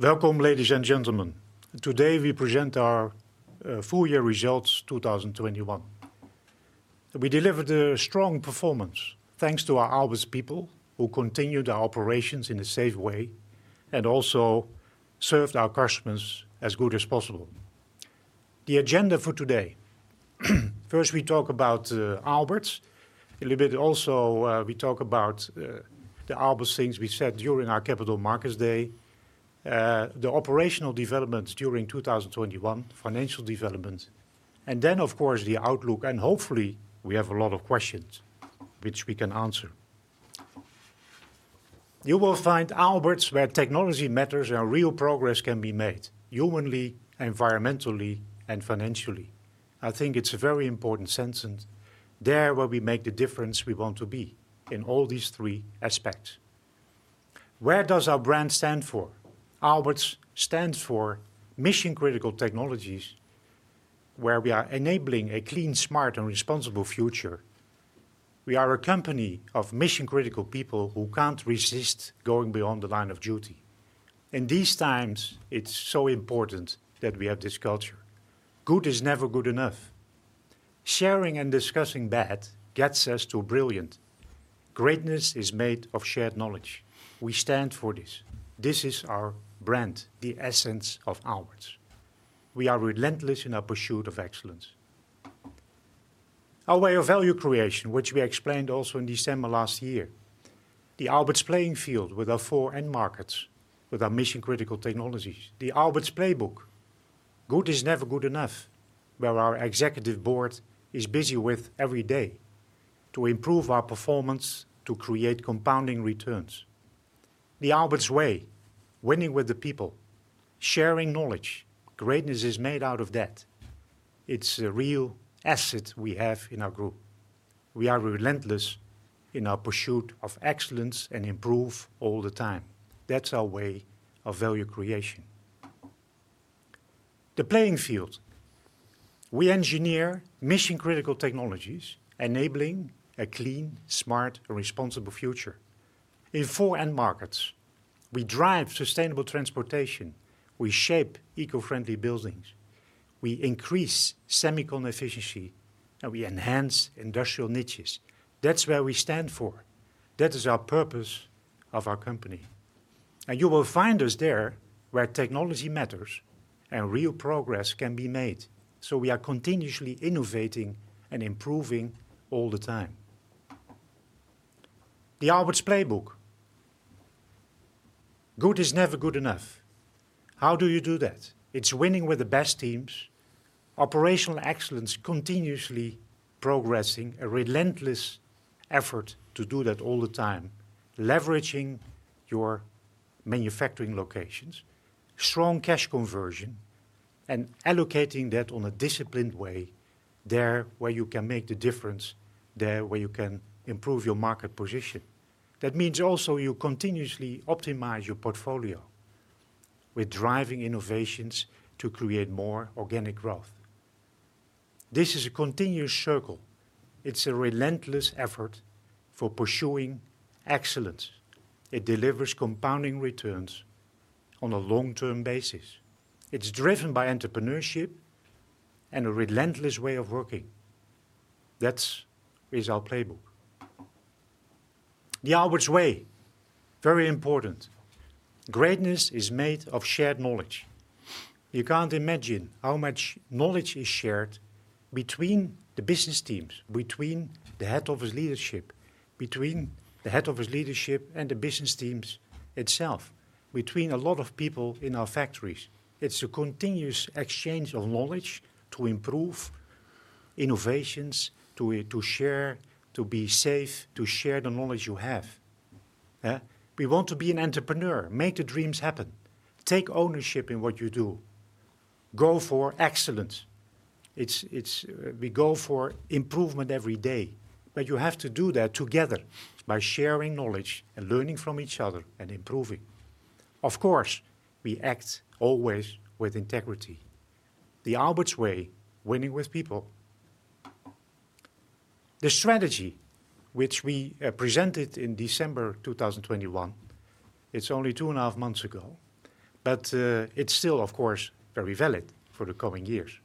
Welcome, ladies and gentlemen. Today we present our full year results, 2021. We delivered a strong performance thanks to our Aalberts people who continued our operations in a safe way and also served our customers as good as possible. The agenda for today. First, we talk about Aalberts a little bit also we talk about the Aalberts things we said during our Capital Markets Day, the operational developments during 2021, financial developments, and then, of course, the outlook. Hopefully, we have a lot of questions which we can answer. You will find Aalberts where technology matters and real progress can be made humanly, environmentally, and financially. I think it's a very important sense, and there where we make the difference we want to be in all these three aspects. Where does our brand stand for? Aalberts stands for mission-critical technologies, where we are enabling a clean, smart, and responsible future. We are a company of mission-critical people who can't resist going beyond the line of duty. In these times, it's so important that we have this culture. Good is never good enough. Sharing and discussing bad gets us to brilliant. Greatness is made of shared knowledge. We stand for this. This is our brand, the essence of Aalberts. We are relentless in our pursuit of excellence. Our way of value creation, which we explained also in December last year, the Aalberts playing field with our four end markets, with our mission-critical technologies. The Aalberts playbook, good is never good enough, where our executive board is busy with every day to improve our performance to create compounding returns. The Aalberts way, winning with the people, sharing knowledge. Greatness is made out of that. It's a real asset we have in our group. We are relentless in our pursuit of excellence and improve all the time. That's our way of value creation. The playing field. We engineer mission-critical technologies, enabling a clean, smart, and responsible future. In four end markets, we drive sustainable transportation, we shape eco-friendly buildings, we increase semicon efficiency, and we enhance industrial niches. That's where we stand for. That is our purpose of our company. You will find us there where technology matters and real progress can be made. We are continuously innovating and improving all the time. The Aalberts playbook. Good is never good enough. How do you do that? It's winning with the best teams. Operational excellence, continuously progressing, a relentless effort to do that all the time, leveraging your manufacturing locations, strong cash conversion, and allocating that on a disciplined way there where you can make the difference, there where you can improve your market position. That means also you continuously optimize your portfolio. We're driving innovations to create more organic growth. This is a continuous circle. It's a relentless effort for pursuing excellence. It delivers compounding returns on a long-term basis. It's driven by entrepreneurship and a relentless way of working. That is our playbook. The Aalberts way, very important. Greatness is made of shared knowledge. You can't imagine how much knowledge is shared between the business teams, between the head office leadership, between the head office leadership and the business teams itself, between a lot of people in our factories. It's a continuous exchange of knowledge to improve innovations, to share, to be safe, to share the knowledge you have. We want to be an entrepreneur, make the dreams happen, take ownership in what you do. Go for excellence. We go for improvement every day. You have to do that together by sharing knowledge and learning from each other and improving. Of course, we act always with integrity. The Aalberts way, winning with people. The strategy which we presented in December 2021, it's only two and a half months ago, but it's still, of course, very valid for the coming years.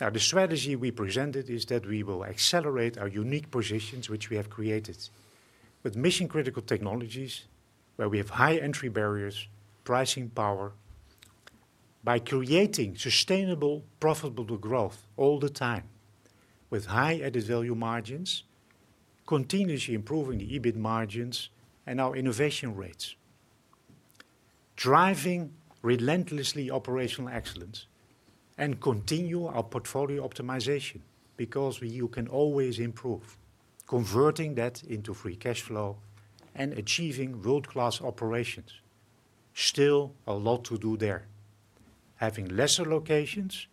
Now, the strategy we presented is that we will accelerate our unique positions which we have created. With mission-critical technologies, where we have high entry barriers, pricing power, by creating sustainable, profitable growth all the time with high added-value margins, continuously improving the EBIT margins and our innovation rates. Driving relentlessly operational excellence and continue our portfolio optimization because you can always improve. Converting that into free cash flow and achieving world-class operations. Still a lot to do there. Having lesser locations,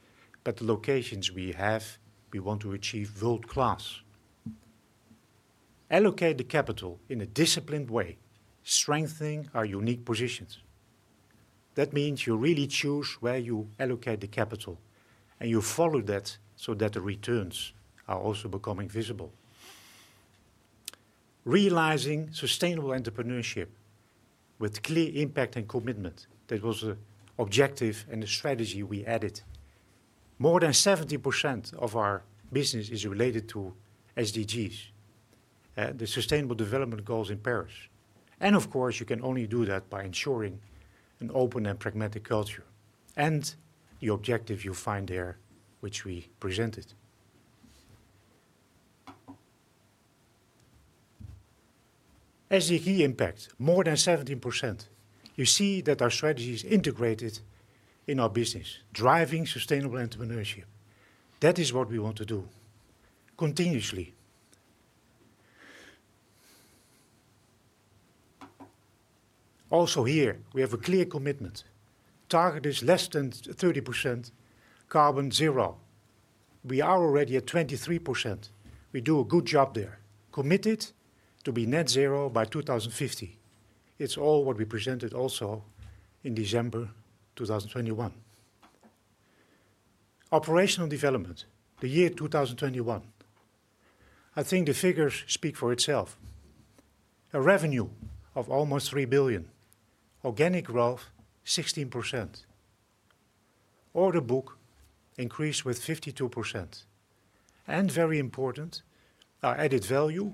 but the locations we have, we want to achieve world-class. Allocate the capital in a disciplined way, strengthening our unique positions. That means you really choose where you allocate the capital, and you follow that so that the returns are also becoming visible. Realizing sustainable entrepreneurship with clear impact and commitment. That was an objective and a strategy we added. More than 70% of our business is related to SDGs, the Sustainable Development Goals in Paris. Of course, you can only do that by ensuring an open and pragmatic culture and the objective you find there, which we presented. SDG impact, more than 17%. You see that our strategy is integrated in our business, driving sustainable entrepreneurship. That is what we want to do continuously. Also here, we have a clear commitment. Target is less than thirty percent carbon zero. We are already at 23%. We do a good job there. Committed to be net zero by 2050. It's all what we presented also in December 2021. Operational development, the year 2021. I think the figures speak for itself. A revenue of almost 3 billion, organic growth 16%. Order book increased with 52%. Very important, our added value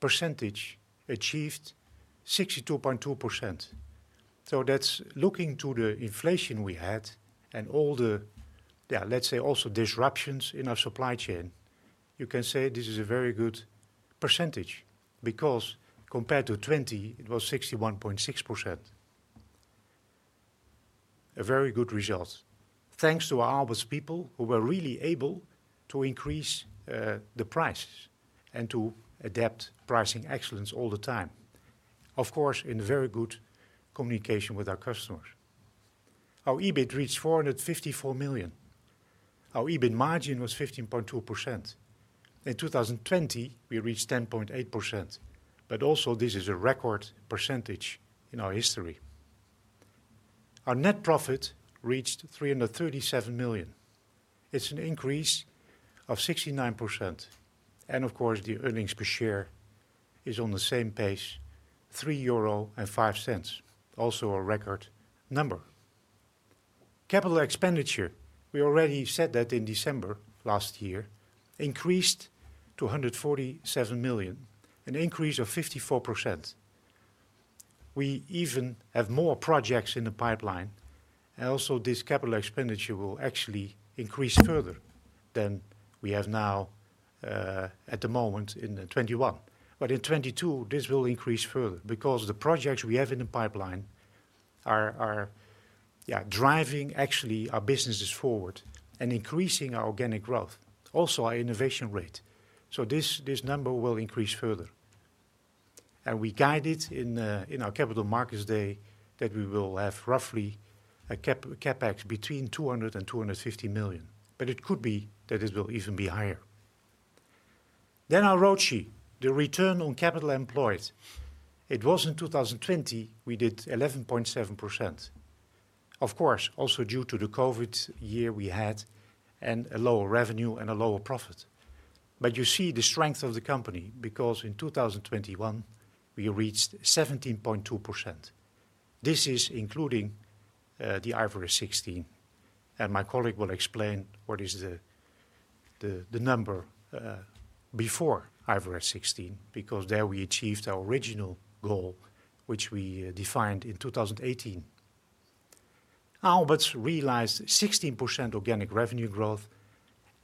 percentage achieved 62.2%. That's looking to the inflation we had and all the, yeah, let's say, also disruptions in our supply chain. You can say this is a very good percentage because compared to 2020, it was 61.6%. A very good result. Thanks to Aalberts people who were really able to increase the prices and to adapt pricing excellence all the time, of course, in very good communication with our customers. Our EBIT reached 454 million. Our EBIT margin was 15.2%. In 2020, we reached 10.8%, but also this is a record percentage in our history. Our net profit reached 337 million. It's an increase of 69%. Of course, the earnings per share is on the same page, 3.05, also a record number. Capital expenditure, we already said that in December last year, increased to 147 million, an increase of 54%. We even have more projects in the pipeline, and also this capital expenditure will actually increase further than we have now at the moment in 2021. In 2022, this will increase further because the projects we have in the pipeline are yeah driving actually our businesses forward and increasing our organic growth, also our innovation rate. This number will increase further. We guided in our capital markets day that we will have roughly a CAPEX between 200 million and 250 million. It could be that it will even be higher. Our ROCE, the return on capital employed. It was in 2020, we did 11.7%. Of course, also due to the COVID year we had and a lower revenue and a lower profit. You see the strength of the company because in 2021, we reached 17.2%. This is including the IFRS 16, and my colleague will explain what is the number before IFRS 16, because there we achieved our original goal, which we defined in 2018. Aalberts realized 16% organic revenue growth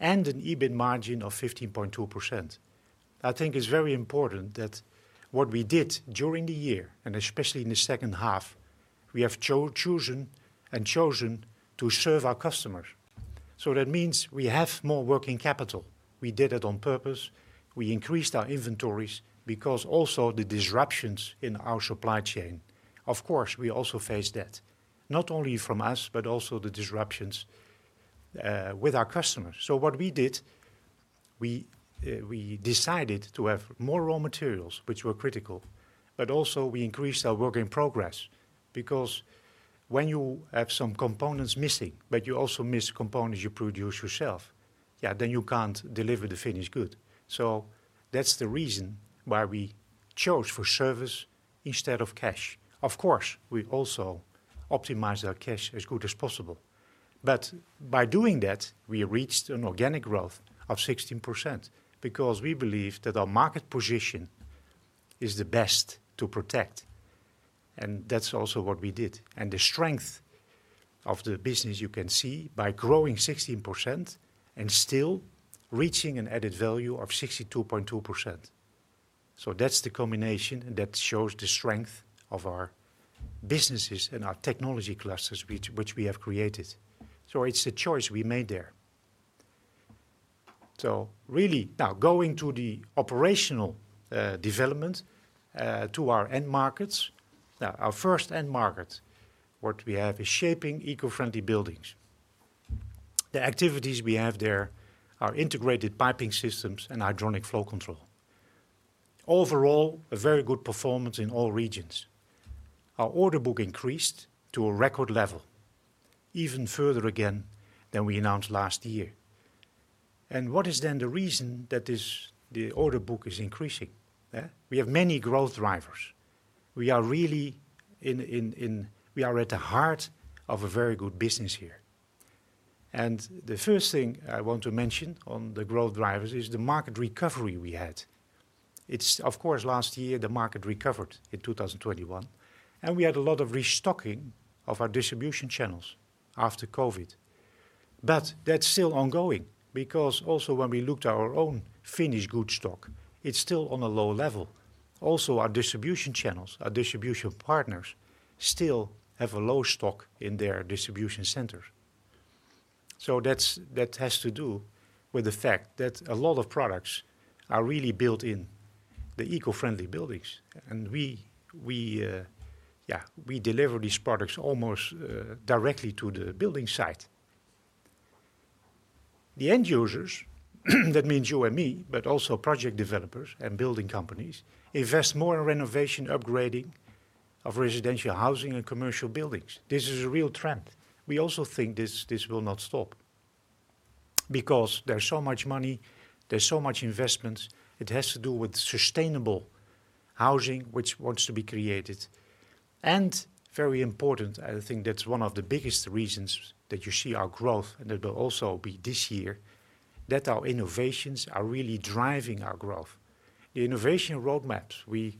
and an EBIT margin of 15.2%. I think it's very important that what we did during the year, and especially in the second half, we have chosen to serve our customers. That means we have more working capital. We did it on purpose. We increased our inventories because also the disruptions in our supply chain. Of course, we also face that, not only from us, but also the disruptions with our customers. What we did, we decided to have more raw materials which were critical, but also we increased our work in progress because when you have some components missing, but you also miss components you produce yourself, then you can't deliver the finished good. That's the reason why we chose for service instead of cash. Of course, we also optimized our cash as good as possible. By doing that, we reached an organic growth of 16% because we believe that our market position is the best to protect. That's also what we did. The strength of the business, you can see by growing 16% and still reaching an added value of 62.2%. That's the combination that shows the strength of our businesses and our technology clusters which we have created. It's a choice we made there. Really now going to the operational development to our end markets. Our first end market, what we have is shaping eco-friendly buildings. The activities we have there are Integrated Piping Systems and hydronic flow control. Overall, a very good performance in all regions. Our order book increased to a record level, even further again than we announced last year. What is then the reason the order book is increasing, yeah? We have many growth drivers. We are really at the heart of a very good business here. The first thing I want to mention on the growth drivers is the market recovery we had. It's of course last year the market recovered in 2021, and we had a lot of restocking of our distribution channels after COVID. That's still ongoing because also when we looked at our own finished goods stock, it's still on a low level. Also, our distribution channels, our distribution partners still have a low stock in their distribution centers. That's that has to do with the fact that a lot of products are really built in the eco-friendly buildings. We deliver these products almost directly to the building site. The end users, that means you and me, but also project developers and building companies, invest more in renovation, upgrading of residential housing and commercial buildings. This is a real trend. We also think this will not stop because there's so much money, there's so much investment. It has to do with sustainable housing, which wants to be created. Very important, I think that's one of the biggest reasons that you see our growth, and that will also be this year, that our innovations are really driving our growth. The innovation roadmaps we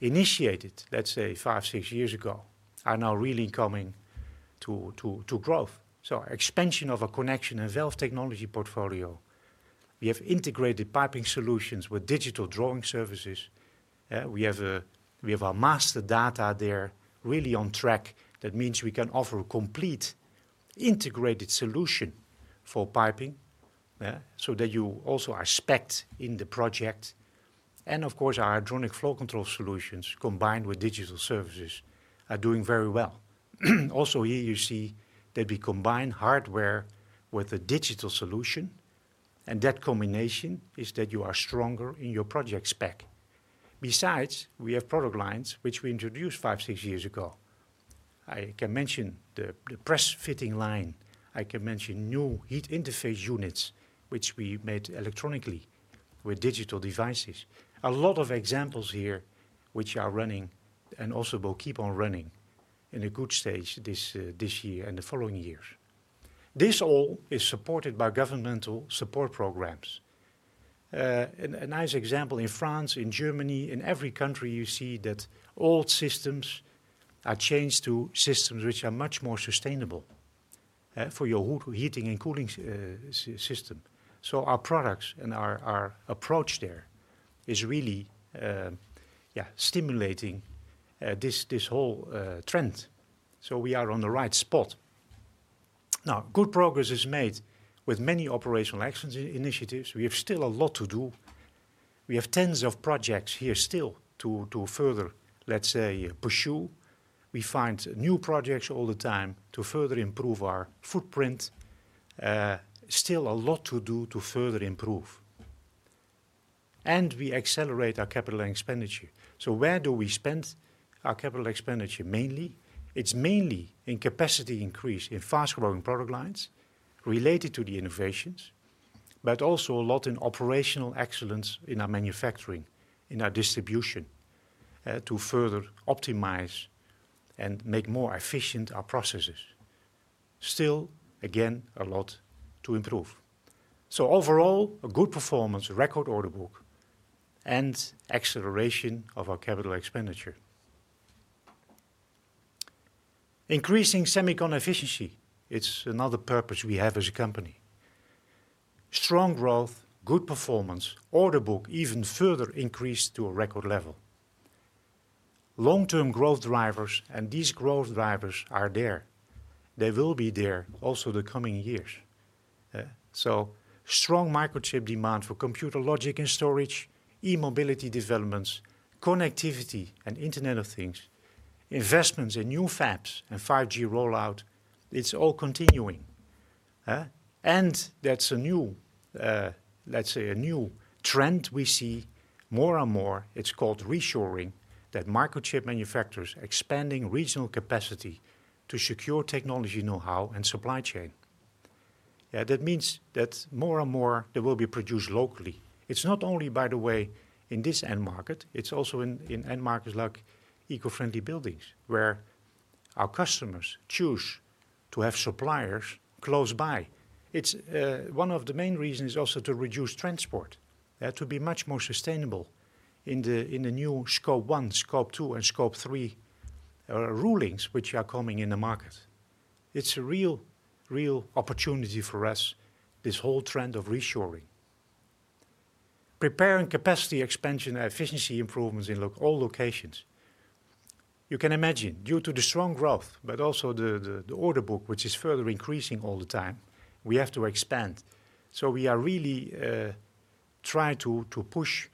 initiated, let's say, 5, 6 years ago, are now really coming to growth. Expansion of a connection and valve technology portfolio. We have integrated piping solutions with digital drawing services. We have our master data there really on track. That means we can offer a complete integrated solution for piping, yeah, so that you also are specced in the project. Of course, our hydronic flow control solutions combined with digital services are doing very well. Here, you see that we combine hardware with a digital solution, and that combination is that you are stronger in your project spec. Besides, we have product lines which we introduced 5, 6 years ago. I can mention the press fitting line. I can mention new heat interface units which we made electronically with digital devices. A lot of examples here which are running and also will keep on running in a good stage this year and the following years. This all is supported by governmental support programs. A nice example in France, in Germany, in every country, you see that old systems are changed to systems which are much more sustainable for your heating and cooling system. Our products and our approach there is really stimulating this whole trend. We are on the right spot. Now, good progress is made with many operational actions initiatives. We have still a lot to do. We have tens of projects here still to further, let's say, pursue. We find new projects all the time to further improve our footprint. Still a lot to do to further improve. We accelerate our capital expenditure. Where do we spend our capital expenditure mainly? It's mainly in capacity increase in fast-growing product lines related to the innovations, but also a lot in operational excellence in our manufacturing, in our distribution, to further optimize and make more efficient our processes. Still, again, a lot to improve. Overall, a good performance, a record order book, and acceleration of our capital expenditure. Increasing semicon efficiency, it's another purpose we have as a company. Strong growth, good performance, order book even further increased to a record level. Long-term growth drivers, and these growth drivers are there. They will be there also the coming years. Strong microchip demand for computer logic and storage, e-mobility developments, connectivity and Internet of Things, investments in new fabs and 5G rollout, it's all continuing. That's a new, let's say, a new trend we see more and more. It's called reshoring, that microchip manufacturers expanding regional capacity to secure technology know-how and supply chain. That means that more and more, they will be produced locally. It's not only, by the way, in this end market, it's also in end markets like eco-friendly buildings, where our customers choose to have suppliers close by. It's one of the main reasons also to reduce transport to be much more sustainable in the new Scope 1, Scope 2, and Scope 3 rulings which are coming in the market. It's a real opportunity for us, this whole trend of reshoring. Preparing capacity expansion and efficiency improvements in all locations. You can imagine due to the strong growth, but also the order book, which is further increasing all the time, we have to expand. We are really try to push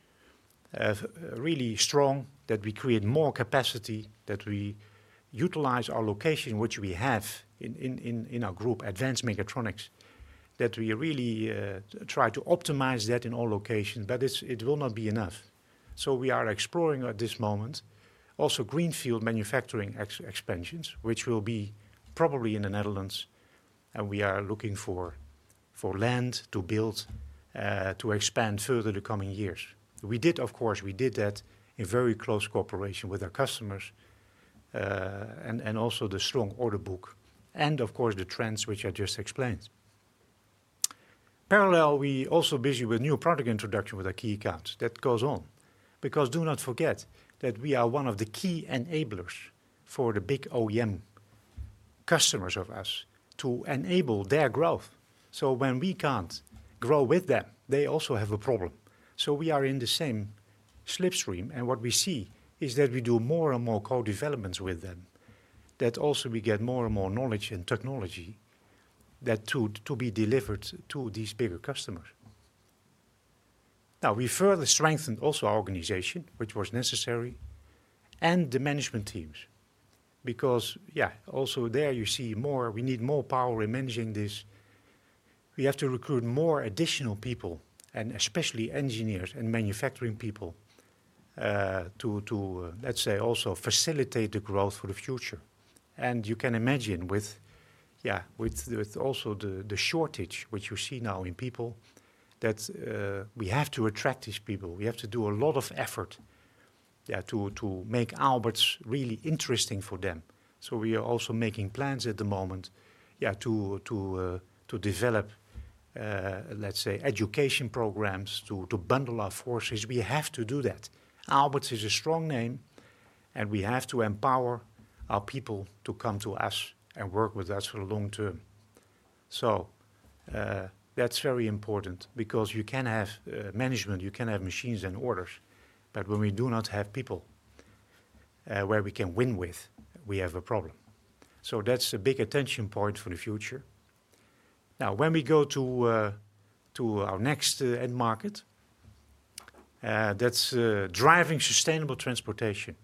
really strong that we create more capacity, that we utilize our location, which we have in our group, Advanced Mechatronics, that we really try to optimize that in all locations. It will not be enough. We are exploring at this moment also greenfield manufacturing expansions, which will be probably in the Netherlands, and we are looking for land to build to expand further the coming years. We did that, of course, in very close cooperation with our customers, and also the strong order book and of course the trends which I just explained. Parallel, we also busy with new product introduction with our key accounts. That goes on, because do not forget that we are one of the key enablers for the big OEM customers of us to enable their growth. When we can't grow with them, they also have a problem. We are in the same slipstream, and what we see is that we do more and more co-developments with them, that also we get more and more knowledge and technology to be delivered to these bigger customers. We further strengthened also our organization, which was necessary, and the management teams because also there you see more, we need more power in managing this. We have to recruit more additional people, and especially engineers and manufacturing people to, let's say, also facilitate the growth for the future. You can imagine with also the shortage which you see now in people that we have to attract these people. We have to do a lot of effort to make Aalberts really interesting for them. We are also making plans at the moment to develop, let's say, education programs to bundle our forces. We have to do that. Aalberts is a strong name, and we have to empower our people to come to us and work with us for the long term. That's very important because you can have management, you can have machines and orders, but when we do not have people where we can win with, we have a problem. That's a big attention point for the future. Now, when we go to our next end market, that's driving sustainable transportation.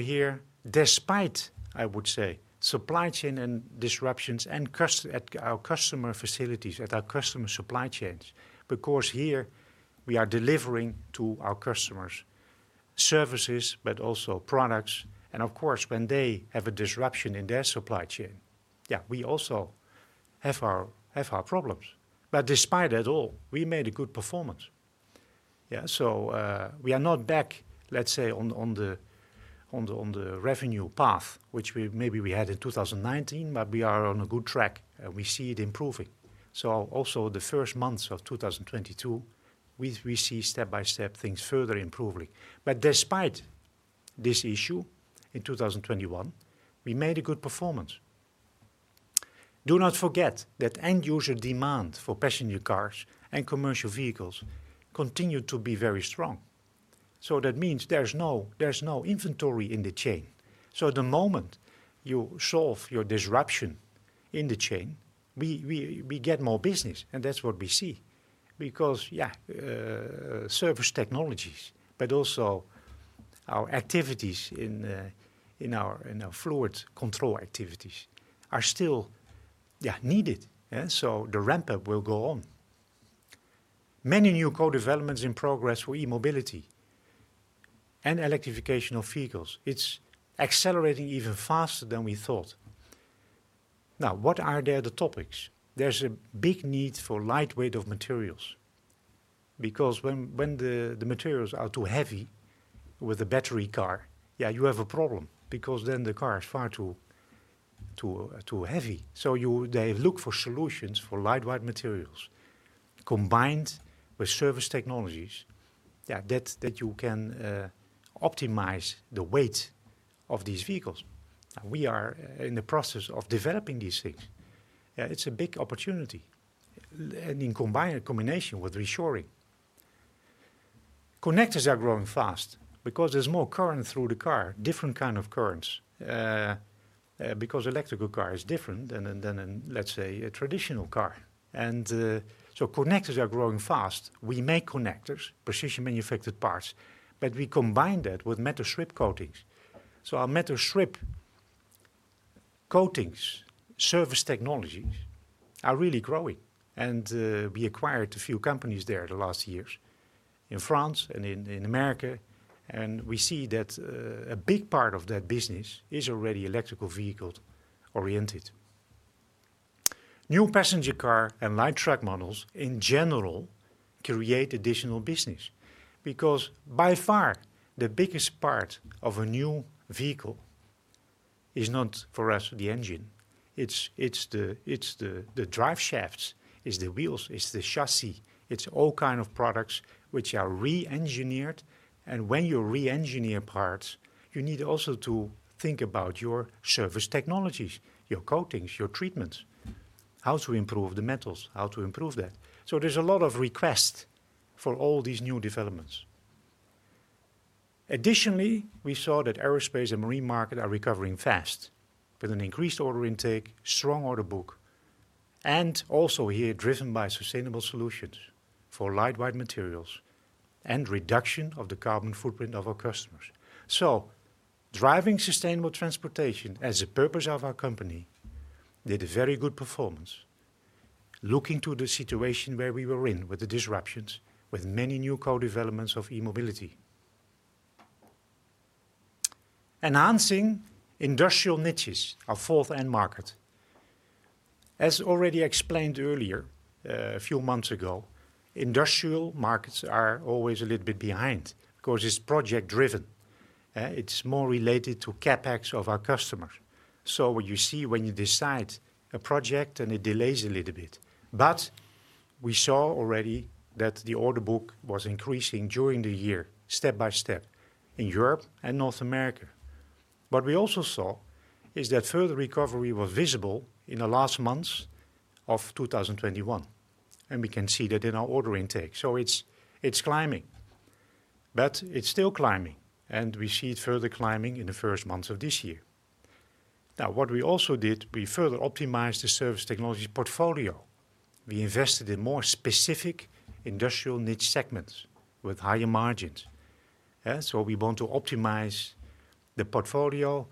Here, despite, I would say, supply chain disruptions at our customer facilities, at our customer supply chains, because here we are delivering to our customers services but also products, and of course when they have a disruption in their supply chain, we also have our problems. Despite that all, we made a good performance. We are not back, let's say, on the revenue path, which we maybe had in 2019, but we are on a good track, and we see it improving. Also the first months of 2022, we see step-by-step things further improving. Despite this issue, in 2021, we made a good performance. Do not forget that end user demand for passenger cars and commercial vehicles continued to be very strong. That means there's no inventory in the chain. The moment you solve your disruption in the chain, we get more business, and that's what we see. Because service technologies, but also our activities in our fluids control activities are still needed. The ramp-up will go on. Many new co-developments in progress for e-mobility and electrification of vehicles. It's accelerating even faster than we thought. Now, what are the other topics? There's a big need for lightweight of materials because when the materials are too heavy with a battery car, you have a problem because then the car is far too heavy. They look for solutions for lightweight materials combined with service technologies that you can optimize the weight of these vehicles. We are in the process of developing these things. It's a big opportunity in combination with reshoring. Connectors are growing fast because there's more current through the car, different kind of currents because electric car is different than an, let's say, a traditional car. Connectors are growing fast. We make connectors, precision manufactured parts, but we combine that with metal strip coatings. Our metal strip coatings service technologies are really growing, and we acquired a few companies there the last years in France and in America, and we see that a big part of that business is already electric vehicle-oriented. New passenger car and light truck models in general create additional business because by far the biggest part of a new vehicle is not for us the engine. It's the drive shafts, it's the wheels, it's the chassis, it's all kind of products which are re-engineered. When you re-engineer parts, you need also to think about your service technologies, your coatings, your treatments, how to improve the metals, how to improve that. There's a lot of request for all these new developments. Additionally, we saw that aerospace and marine market are recovering fast with an increased order intake, strong order book, and also here driven by sustainable solutions for lightweight materials and reduction of the carbon footprint of our customers. Driving sustainable transportation as a purpose of our company did a very good performance. Look into the situation where we were in with the disruptions, with many new co-developments of e-mobility. Enhancing industrial niches, our fourth end market. As already explained earlier, a few months ago, industrial markets are always a little bit behind 'cause it's project-driven. It's more related to CapEx of our customers. What you see when you decide a project and it delays a little bit. We saw already that the order book was increasing during the year, step by step, in Europe and North America. What we also saw is that further recovery was visible in the last months of 2021, and we can see that in our order intake. It's climbing, but it's still climbing, and we see it further climbing in the first months of this year. Now, what we also did, we further optimized the service technology portfolio. We invested in more specific industrial niche segments with higher margins. Yeah, we want to optimize the portfolio.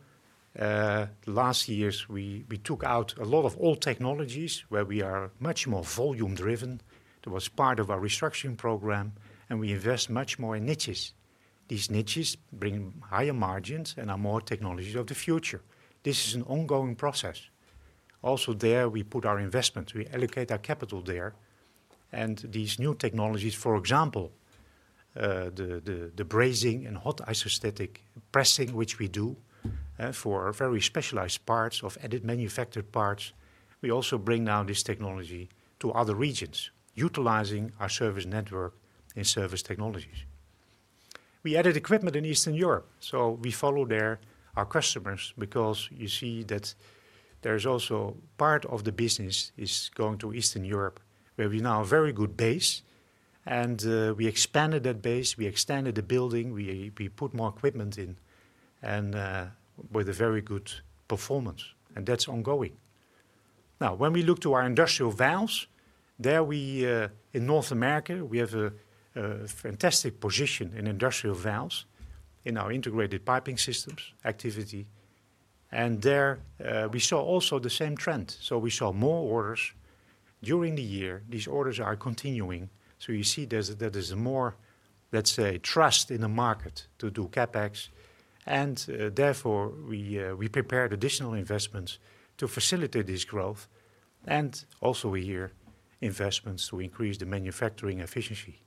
The last years we took out a lot of old technologies where we are much more volume-driven. That was part of our restructuring program, and we invest much more in niches. These niches bring higher margins and are more technologies of the future. This is an ongoing process. There we put our investments, we allocate our capital there, and these new technologies, for example, the brazing and hot isostatic pressing which we do for very specialized parts of additive manufactured parts, we also bring now this technology to other regions, utilizing our service network in service technologies. We added equipment in Eastern Europe, so we follow there our customers because you see that there's also part of the business is going to Eastern Europe, where we now have very good base, and we expanded that base, we extended the building, we put more equipment in, and with a very good performance, and that's ongoing. Now, when we look to our industrial valves, there, in North America, we have a fantastic position in industrial valves in our integrated piping systems activity. There, we saw also the same trend. We saw more orders during the year. These orders are continuing, so you see there is more, let's say, trust in the market to do CapEx, and, therefore, we prepared additional investments to facilitate this growth. Also we hear investments to increase the manufacturing efficiency.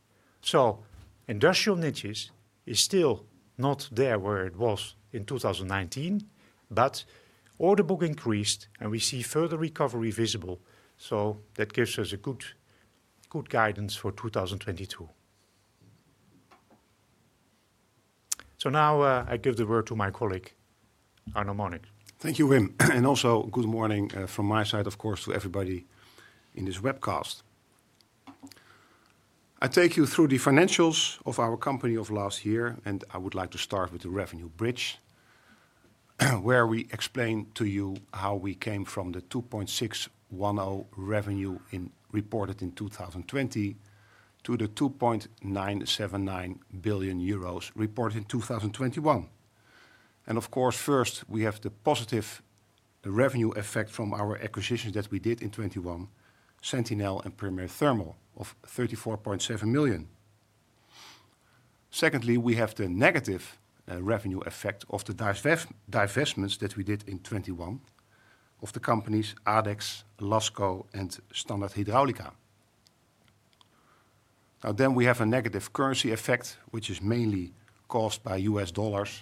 Industrial niches is still not there where it was in 2019, but order book increased, and we see further recovery visible. That gives us a good guidance for 2022. Now, I give the word to my colleague, Arno Monincx. Thank you, Wim. Also good morning from my side, of course, to everybody in this webcast. I take you through the financials of our company of last year, and I would like to start with the revenue bridge, where we explain to you how we came from the 2.610 billion revenue reported in 2020 to the 2.979 billion euros reported in 2021. First we have the positive revenue effect from our acquisitions that we did in 2021, Sentinel and Premier Thermal of 34.7 million. Secondly, we have the negative revenue effect of the divestments that we did in 2021 of the companies Adex, Lasco, and Standard Hidráulica. We have a negative currency effect, which is mainly caused by US dollars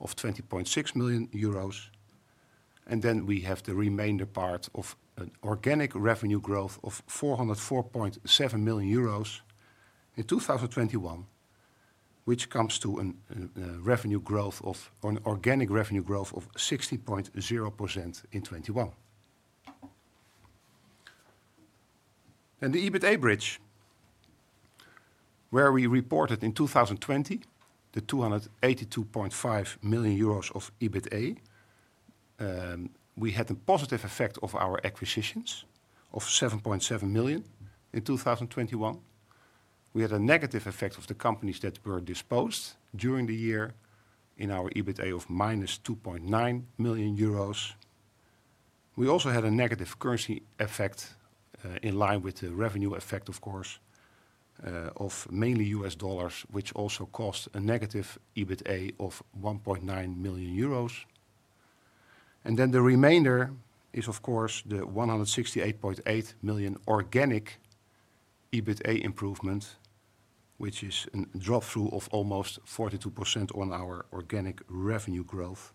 of 20.6 million euros. We have the remainder part of an organic revenue growth of 404.7 million euros in 2021, which comes to an organic revenue growth of 60.0% in 2021. The EBITA bridge, where we reported in 2020 282.5 million euros of EBITA. We had the positive effect of our acquisitions of 7.7 million in 2021. We had a negative effect of the companies that were disposed during the year in our EBITA of -2.9 million euros. We also had a negative currency effect, in line with the revenue effect, of course, of mainly US dollars, which also cost a negative EBITA of 1.9 million euros. Then the remainder is, of course, the 168.8 million organic EBITA improvement, which is a drop through of almost 42% on our organic revenue growth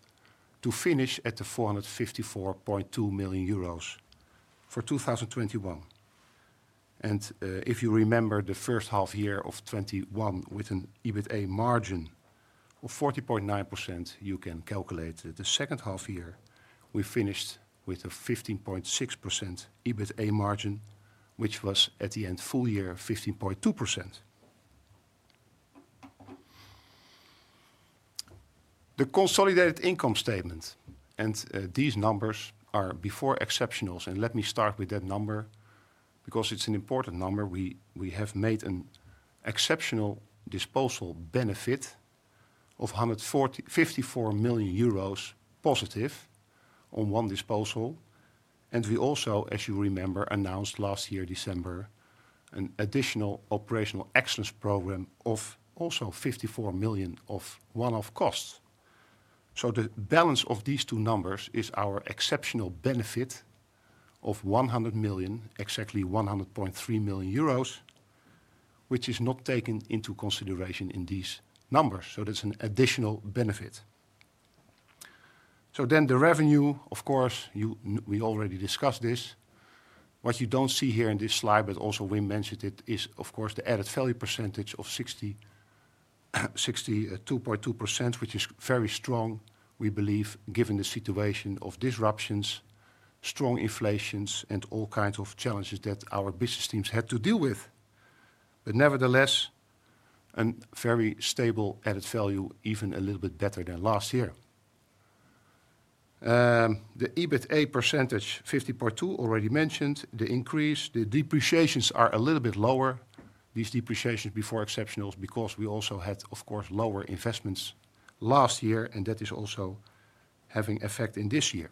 to finish at the 454.2 million euros for 2021. If you remember the first half year of 2021 with an EBITA margin of 40.9%, you can calculate that the second half year we finished with a 15.6% EBITA margin, which was at the end full year 15.2%. The consolidated income statement, these numbers are before exceptionals, and let me start with that number because it's an important number. We have made an exceptional disposal benefit of 54 million euros positive on one disposal. We also, as you remember, announced last December, an additional operational excellence program of also 54 million of one-off costs. The balance of these two numbers is our exceptional benefit of 100 million, exactly 100.3 million euros, which is not taken into consideration in these numbers. That's an additional benefit. The revenue, of course, we already discussed this. What you don't see here in this slide, but also Wim mentioned it, is of course the added value percentage of 62.2%, which is very strong, we believe, given the situation of disruptions, strong inflations, and all kinds of challenges that our business teams had to deal with. Nevertheless, a very stable added value, even a little bit better than last year. The EBITA percentage, 50.2%, already mentioned, the increase. The depreciations are a little bit lower, these depreciations before exceptionals, because we also had, of course, lower investments last year, and that is also having effect in this year.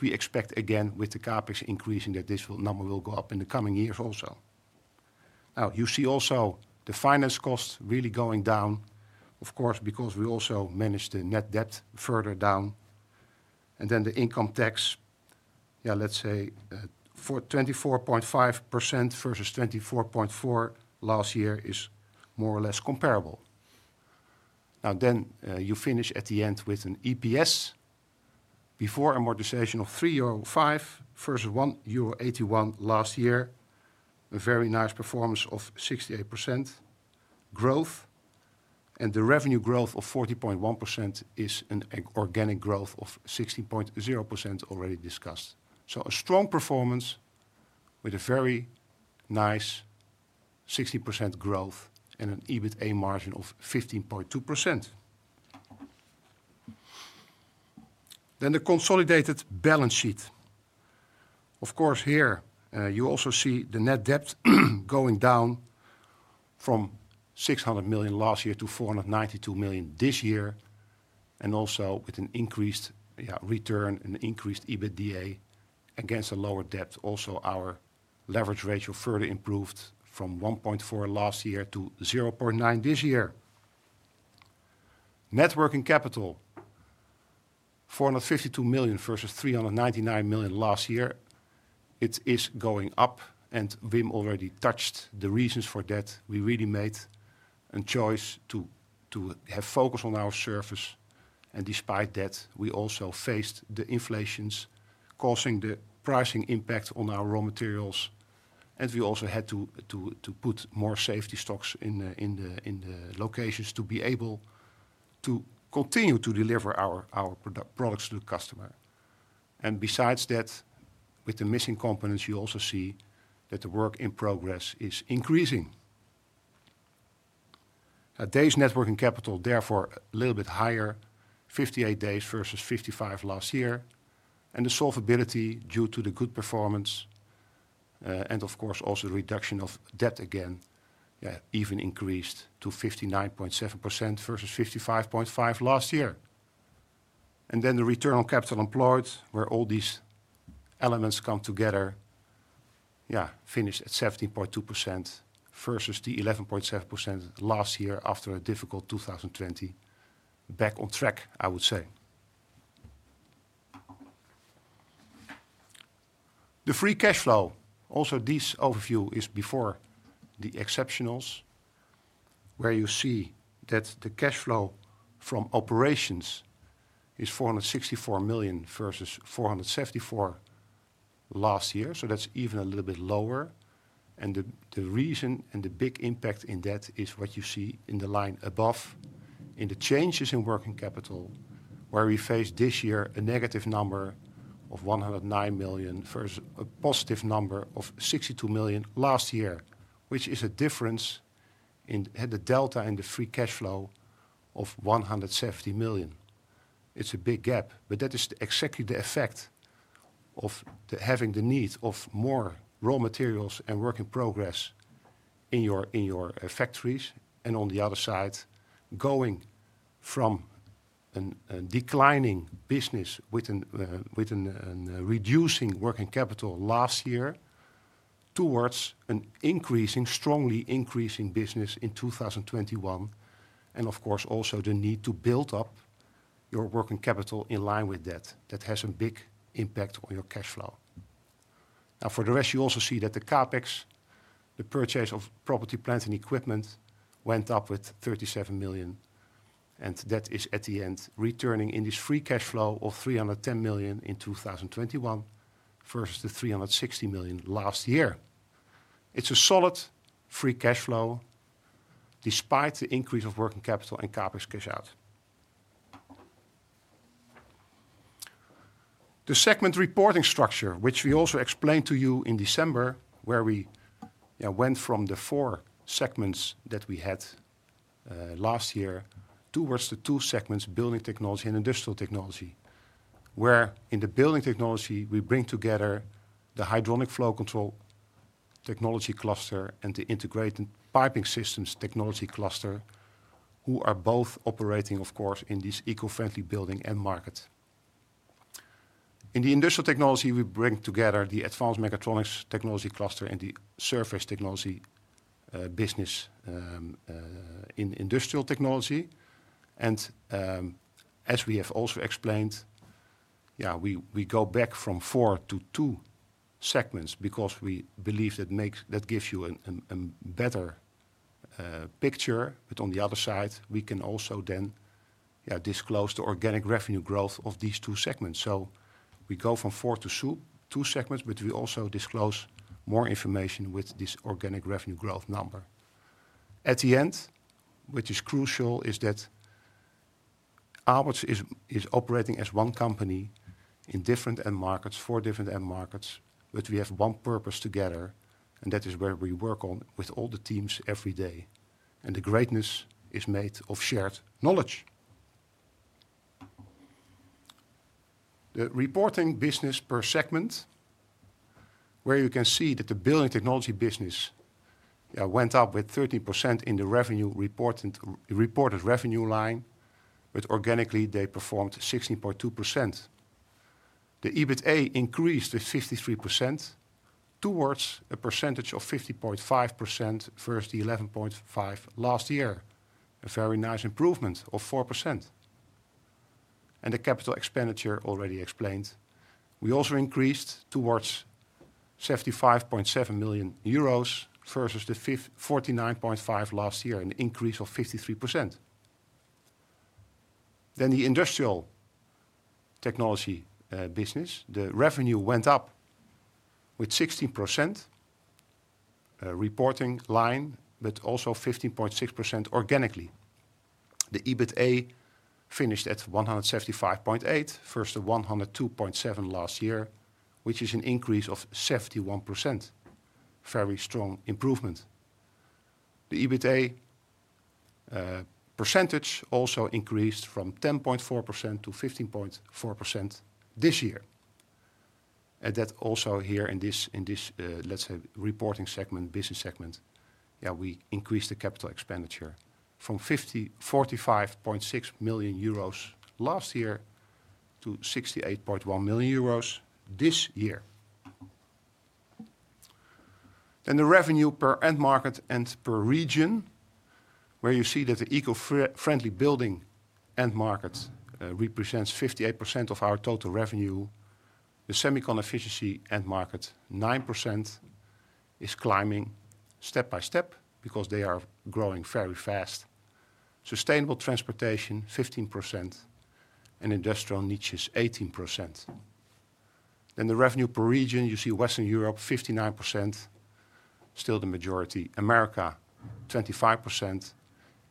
We expect again, with the CapEx increasing, that this number will go up in the coming years also. Now, you see also the finance costs really going down, of course, because we also managed the net debt further down. Then the income tax, yeah, let's say, for 24.5% versus 24.4% last year is more or less comparable. Now then, you finish at the end with an EPS before amortization of 3.05 euro versus 1.81 euro last year. A very nice performance of 68% growth. The revenue growth of 40.1% is an organic growth of 16.0% already discussed. A strong performance with a very nice 60% growth and an EBITA margin of 15.2%. The consolidated balance sheet. Of course, here you also see the net debt going down from 600 million last year to 492 million this year, and also with an increased return and increased EBITDA against a lower debt. Also, our leverage ratio further improved from 1.4 last year to 0.9 this year. Net working capital, 452 million versus 399 million last year. It is going up, and Wim already touched the reasons for that. We really made a choice to have focus on our service. Despite that, we also faced the inflation causing the pricing impact on our raw materials. We also had to put more safety stocks in the locations to be able to continue to deliver our products to the customer. Besides that, with the missing components, you also see that the work in progress is increasing. Now, days' net working capital, therefore a little bit higher, 58 days versus 55 last year. The solvency due to the good performance, and of course also reduction of debt again, even increased to 59.7% versus 55.5% last year. Then the return on capital employed, where all these elements come together, finished at 17.2% versus the 11.7% last year after a difficult 2020. Back on track, I would say. The free cash flow. Also, this overview is before the exceptionals, where you see that the cash flow from operations is 464 million versus 474 million last year, so that's even a little bit lower. The reason and the big impact in that is what you see in the line above, in the changes in working capital, where we face this year a negative number of 109 million versus a positive number of 62 million last year, which is a difference in the delta in the free cash flow of 170 million. It's a big gap, but that is exactly the effect of having the need of more raw materials and work in progress in your factories, and on the other side, going from a declining business with a reducing working capital last year towards an increasing, strongly increasing business in 2021. Of course, also the need to build up your working capital in line with that. That has a big impact on your cash flow. Now, for the rest, you also see that the CapEx, the purchase of property, plant, and equipment, went up with 37 million, and that is at the end returning in this free cash flow of 310 million in 2021 versus the 360 million last year. It's a solid free cash flow despite the increase of working capital and CapEx cash out. The segment reporting structure, which we also explained to you in December, where we, you know, went from the four segments that we had last year towards the two segments, Building Technology and Industrial Technology. Where in the Building Technology, we bring together the hydronic flow control technology cluster and the integrated piping systems technology cluster, who are both operating, of course, in this eco-friendly building end market. In the Industrial Technology, we bring together the Advanced Mechatronics technology cluster and the Surface Technologies business in Industrial Technology. As we have also explained, we go back from four to two segments because we believe that gives you a better picture. On the other side, we can also disclose the organic revenue growth of these two segments. We go from four to two segments, but we also disclose more information with this organic revenue growth number. At the end, which is crucial, is that Aalberts is operating as one company in different end markets, four different end markets, but we have one purpose together, and that is where we work on with all the teams every day. The greatness is made of shared knowledge. The reporting business per segment, where you can see that the Building Technology business went up with 13% in the reported revenue line, but organically, they performed 16.2%. The EBITA increased by 53%, to a margin of 50.5% versus the 11.5% last year. A very nice improvement of 4%. The capital expenditure already explained. We also increased to EUR 75.7 million versus the EUR 49.5 million last year, an increase of 53%. The Industrial Technology business, the revenue went up with 16%, reported line, but also 15.6% organically. The EBITA finished at 175.8 versus 102.7 last year, which is an increase of 71%. Very strong improvement. The EBITA percentage also increased from 10.4% to 15.4% this year. That also here in this, let's say reporting segment, business segment, we increased the capital expenditure from 45.6 million euros last year to 68.1 million euros this year. The revenue per end market and per region, where you see that the eco-friendly building end market represents 58% of our total revenue. The semicon efficiency end market, 9%, is climbing step by step because they are growing very fast. Sustainable transportation, 15%, and industrial niches, 18%. The revenue per region, you see Western Europe, 59%, still the majority. America, 25%.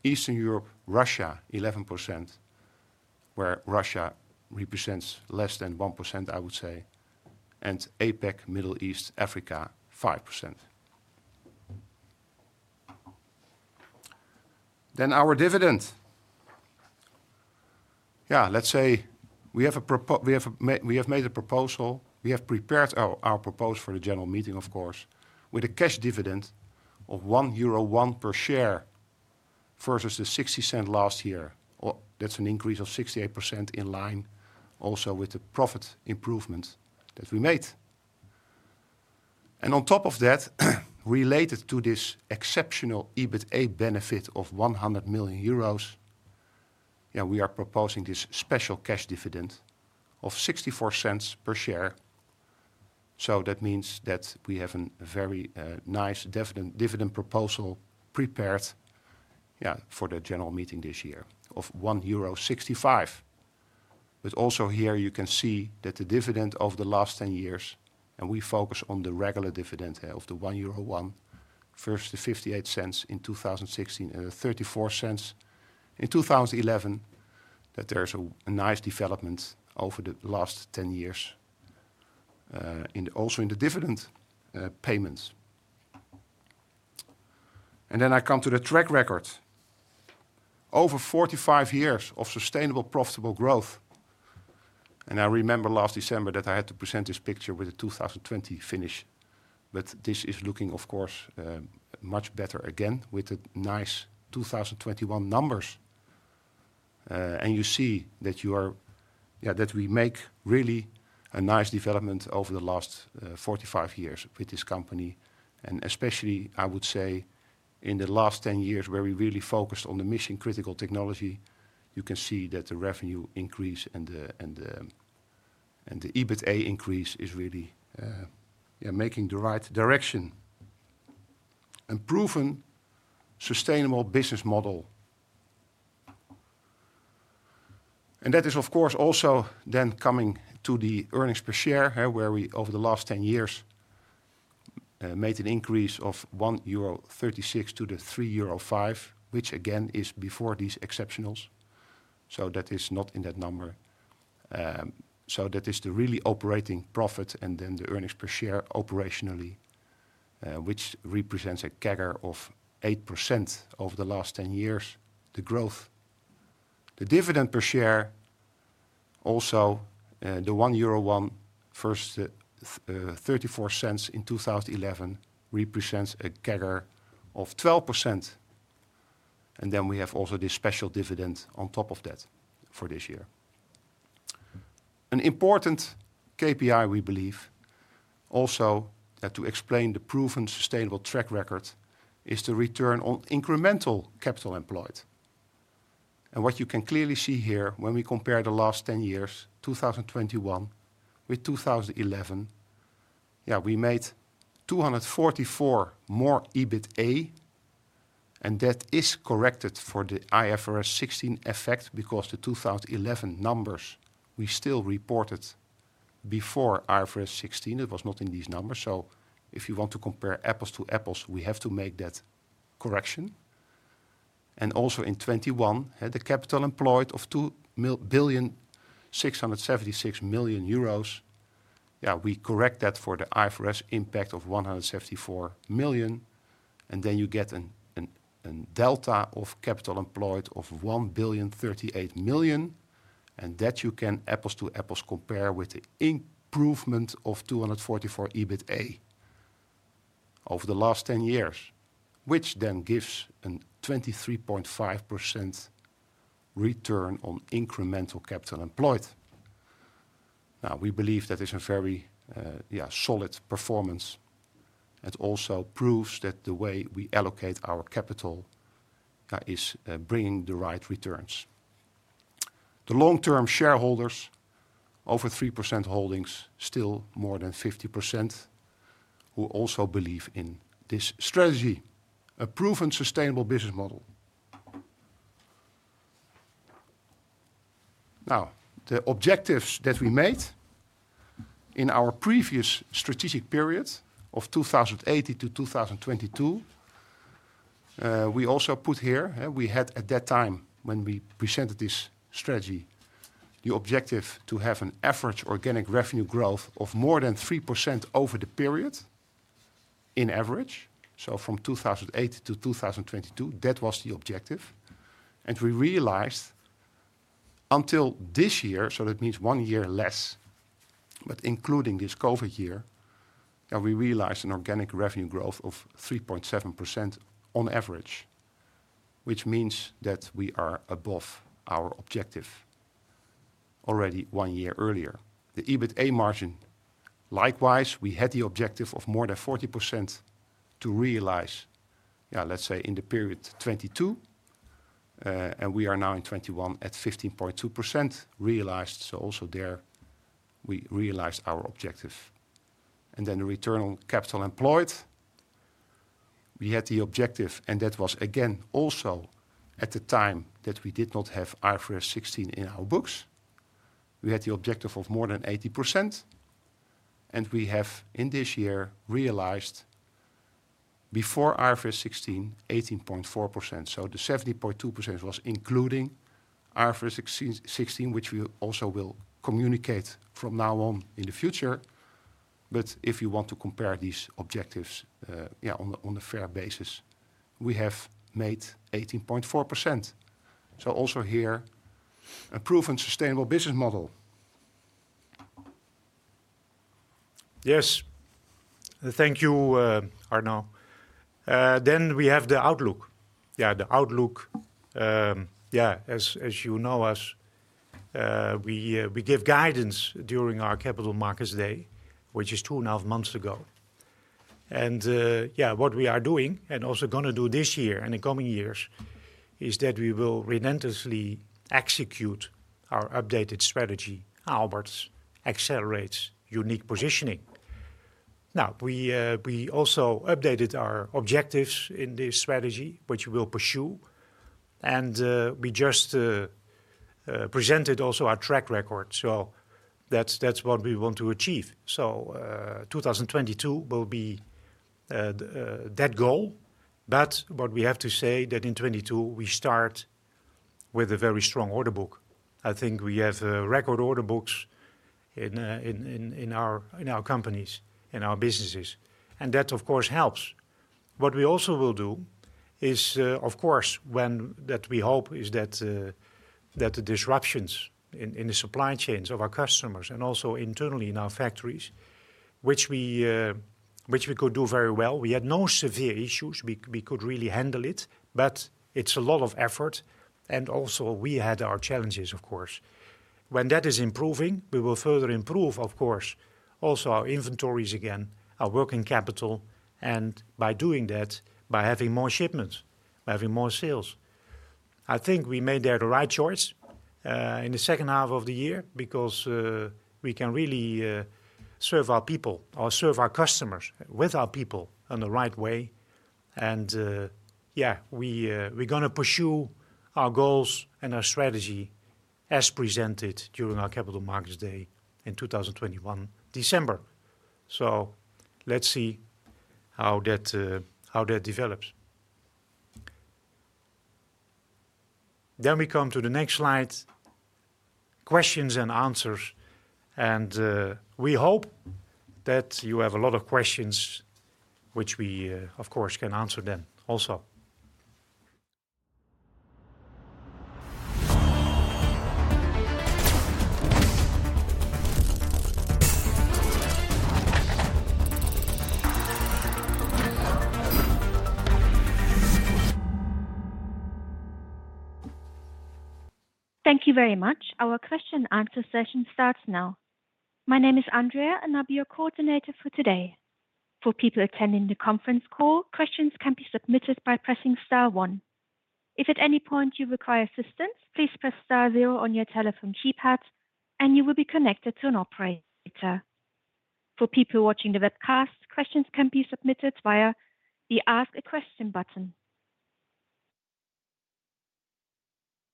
Eastern Europe, Russia, 11%, where Russia represents less than 1%, I would say. APAC, Middle East, Africa, 5%. Our dividend. Yeah, let's say we have made a proposal. We have prepared our proposal for the general meeting, of course, with a cash dividend of 1.01 euro per share versus 0.60 last year. That's an increase of 68% in line also with the profit improvement that we made. On top of that, related to this exceptional EBITA benefit of 100 million euros, we are proposing this special cash dividend of 0.64 per share. That means that we have a very nice dividend proposal prepared for the general meeting this year of 1.65 euro. also here you can see that the dividend over the last 10 years, and we focus on the regular dividend, of the 1.01 euro versus the 0.58 in 2016 and the 0.34 in 2011, that there is a nice development over the last 10 years, also in the dividend payments. then I come to the track record. Over 45 years of sustainable, profitable growth. I remember last December that I had to present this picture with the 2020 finish. this is looking, of course, much better again with the nice 2021 numbers. you see that we make really a nice development over the last 45 years with this company. Especially, I would say, in the last 10 years, where we really focused on the mission-critical technology, you can see that the revenue increase and the EBITA increase is really making the right direction. A proven sustainable business model. That is, of course, also then coming to the earnings per share, where we, over the last 10 years, made an increase of 1.36 euro to 3.05 euro, which again, is before these exceptionals. That is not in that number. That is the really operating profit and then the earnings per share operationally, which represents a CAGR of 8% over the last 10 years, the growth. The dividend per share also, the 1.16 euro, thirty-four cents in 2011 represents a CAGR of 12%. We have also this special dividend on top of that for this year. An important KPI, we believe, also, to explain the proven sustainable track record is the return on incremental capital employed. What you can clearly see here when we compare the last 10 years, 2021 with 2011, we made 244 more EBITA, and that is corrected for the IFRS 16 effect because the 2011 numbers we still reported before IFRS 16. It was not in these numbers. If you want to compare apples to apples, we have to make that correction. Also in 2021, we had the capital employed of 2.676 billion. We correct that for the IFRS impact of 174 million, and then you get a delta of capital employed of 1,038 million, and that you can apples to apples compare with the improvement of 244 EBITA over the last 10 years, which then gives a 23.5% return on incremental capital employed. Now, we believe that is a very solid performance. It also proves that the way we allocate our capital is bringing the right returns. The long-term shareholders, over 3% holdings, still more than 50%, who also believe in this strategy, a proven sustainable business model. Now, the objectives that we made in our previous strategic period of 2008 to 2022, we also put here, we had at that time when we presented this strategy, the objective to have an average organic revenue growth of more than 3% over the period in average. From 2008 to 2022, that was the objective. We realized until this year, so that means one year less, but including this COVID year, that we realized an organic revenue growth of 3.7% on average, which means that we are above our objective already one year earlier. The EBITA margin, likewise, we had the objective of more than 40% to realize, let's say in the period 2022, and we are now in 2021 at 15.2% realized. Also there, we realized our objective. The return on capital employed, we had the objective, and that was again also at the time that we did not have IFRS 16 in our books. We had the objective of more than 80%, and we have in this year realized before IFRS 16, 18.4%. The 70.2% was including IFRS 16, which we also will communicate from now on in the future. If you want to compare these objectives, on a fair basis, we have made 18.4%. Also here, a proven sustainable business model. Yes. Thank you, Arno. We have the outlook. As you know us, we give guidance during our Capital Markets Day, which is two and a half months ago. What we are doing and also gonna do this year and the coming years is that we will relentlessly execute our updated strategy, Aalberts Accelerates Unique Positioning. Now, we also updated our objectives in this strategy, which we'll pursue. We just presented also our track record. That's what we want to achieve. 2022 will be that goal. What we have to say that in 2022 we start with a very strong order book. I think we have record order books in our companies, in our businesses, and that of course helps. What we also will do is of course, when that we hope is that the disruptions in the supply chains of our customers and also internally in our factories, which we could do very well. We had no severe issues. We could really handle it, but it's a lot of effort, and also we had our challenges, of course. When that is improving, we will further improve, of course, also our inventories again, our working capital, and by doing that, by having more shipments, by having more sales. I think we made there the right choice in the second half of the year because we can really serve our people or serve our customers with our people in the right way. Yeah, we're gonna pursue our goals and our strategy as presented during our Capital Markets Day in December 2021. Let's see how that develops. We come to the next slide, questions and answers. We hope that you have a lot of questions which we of course can answer them also. Thank you very much. Our question and answer session starts now. My name is Andrea, and I'll be your coordinator for today. For people attending the conference call, questions can be submitted by pressing star one. If at any point you require assistance, please press star zero on your telephone keypad, and you will be connected to an operator. For people watching the webcast, questions can be submitted via the Ask a Question button.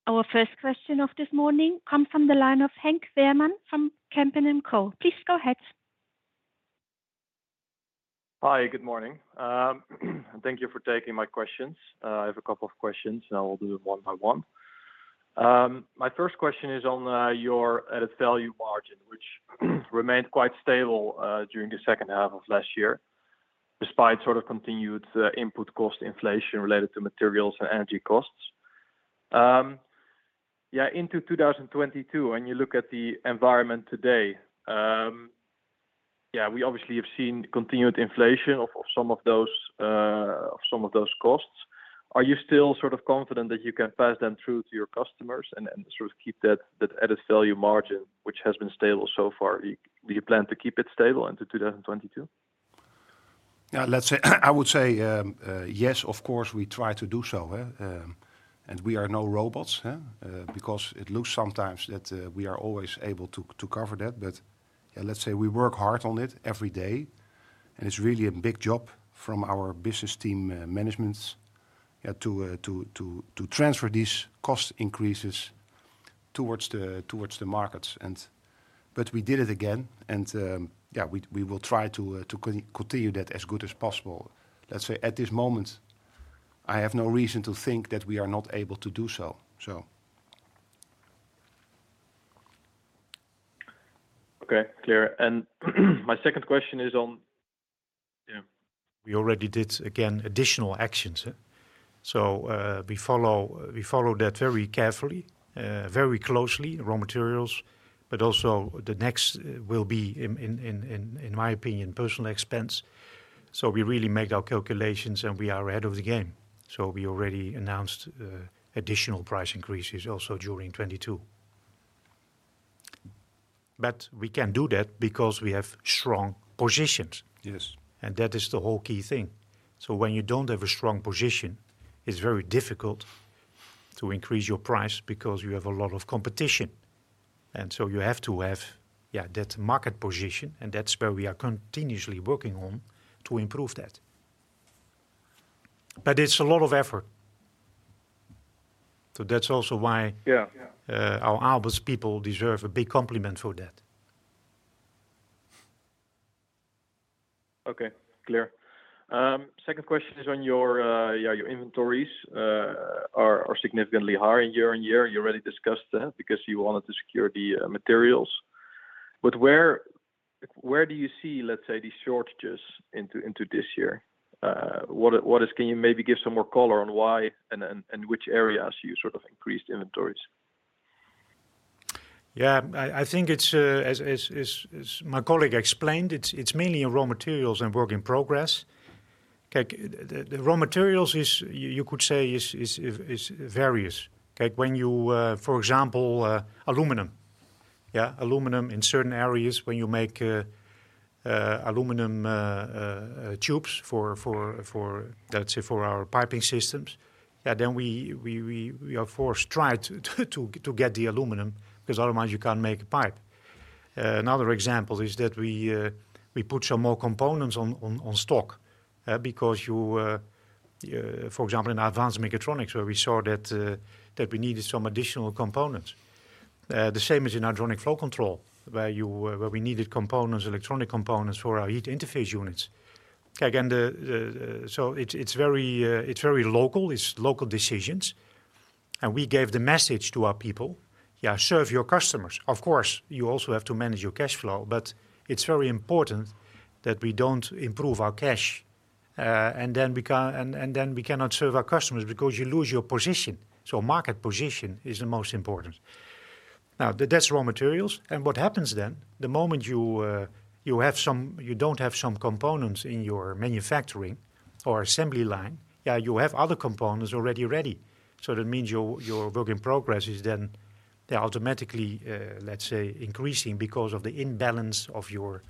Our first question of this morning comes from the line of Henk Veerman from Kempen & Co. Please go ahead. Hi, good morning. Thank you for taking my questions. I have a couple of questions, and I will do them one by one. My first question is on your added value margin, which remained quite stable during the second half of last year, despite sort of continued input cost inflation related to materials and energy costs. Yeah, into 2022, when you look at the environment today, yeah, we obviously have seen continued inflation of some of those costs. Are you still sort of confident that you can pass them through to your customers and sort of keep that added value margin, which has been stable so far? Do you plan to keep it stable into 2022? Yeah, let's say, I would say, yes, of course, we try to do so, he? We are no robots, he? Because it looks sometimes that we are always able to cover that. Yeah, let's say we work hard on it every day, and it's really a big job from our business team, managements, yeah, to transfer these cost increases towards the markets. We did it again, and, yeah, we will try to continue that as good as possible. Let's say, at this moment, I have no reason to think that we are not able to do so. Okay, clear. My second question is on. We already did additional actions again. We follow that very carefully, very closely, raw materials, but also the next will be, in my opinion, personnel expense. We really make our calculations, and we are ahead of the game. We already announced additional price increases also during 2022. We can do that because we have strong positions. Yes. That is the whole key thing. When you don't have a strong position, it's very difficult to increase your price because you have a lot of competition. You have to have, yeah, that market position, and that's where we are continuously working on to improve that. It's a lot of effort. That's also why. Yeah. Our Aalberts people deserve a big compliment for that. Okay, clear. Second question is on your inventories are significantly higher year-on-year. You already discussed that because you wanted to secure the materials. Where do you see, let's say, these shortages into this year? Can you maybe give some more color on why and which areas you sort of increased inventories? Yeah. I think it's as my colleague explained, it's mainly in raw materials and work in progress. Okay. The raw materials is various, you could say. Okay. For example, aluminum in certain areas, when you make aluminum tubes for, let's say, our piping systems, yeah, then we of course try to get the aluminum because otherwise you can't make a pipe. Another example is that we put some more components on stock because, for example, in advanced mechatronics, where we saw that we needed some additional components. The same as in hydronic flow control, where we needed components, electronic components for our heat interface units. Okay. Again, it's very local. It's local decisions. We gave the message to our people, serve your customers. Of course, you also have to manage your cash flow, but it's very important that we don't improve our cash, and then we cannot serve our customers because you lose your position. Market position is the most important. Now, that's raw materials. What happens then, the moment you don't have some components in your manufacturing or assembly line, you have other components already ready. That means your work in progress is then automatically, let's say, increasing because of the imbalance of your,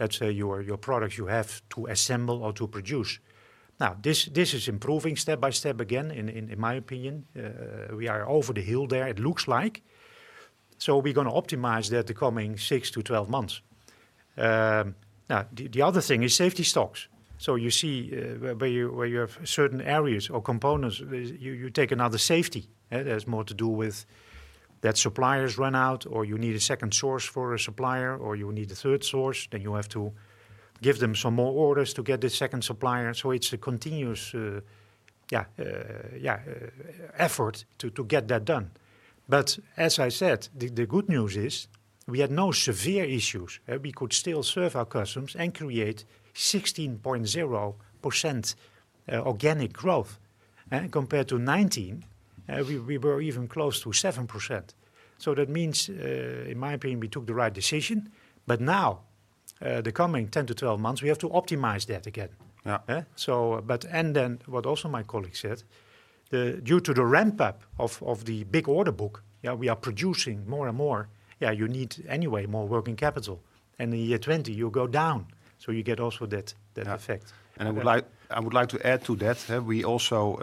let's say, your products you have to assemble or to produce. Now, this is improving step by step again, in my opinion. We are over the hill there, it looks like. We're gonna optimize that in the coming 6-12 months. Now, the other thing is safety stocks. You see, where you have certain areas or components, you take another safety. That has more to do with suppliers running out, or you need a second source for a supplier, or you need a third source. Then you have to give them some more orders to get the second supplier. It's a continuous effort to get that done. But as I said, the good news is we had no severe issues. We could still serve our customers and create 16.0% organic growth. Compared to 2019, we were even close to 7%. That means, in my opinion, we took the right decision. Now, the coming 10-12 months, we have to optimize that again. Yeah. My colleague said due to the ramp-up of the big order book, we are producing more and more. You need anyway more working capital. In 2020, you go down, so you also get that effect. I would like to add to that. We also,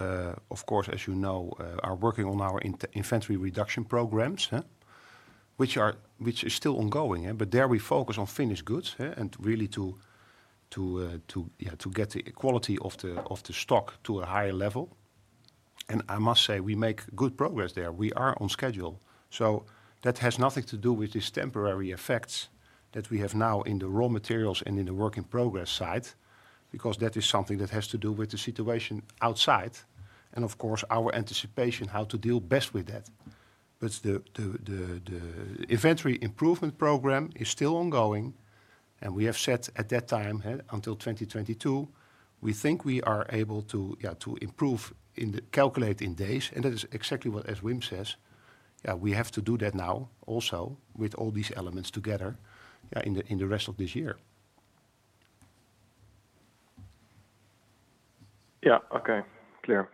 of course, as you know, are working on our inventory reduction programs, which is still ongoing. But there we focus on finished goods, yeah, and really to get the quality of the stock to a higher level. I must say, we make good progress there. We are on schedule. That has nothing to do with these temporary effects that we have now in the raw materials and in the work in progress side, because that is something that has to do with the situation outside and of course, our anticipation, how to deal best with that. The inventory improvement program is still ongoing, and we have said at that time until 2022, we think we are able to, yeah, to improve inventory in days. That is exactly what, as Wim says, yeah, we have to do that now also with all these elements together, yeah, in the rest of this year. Yeah. Okay. Clear.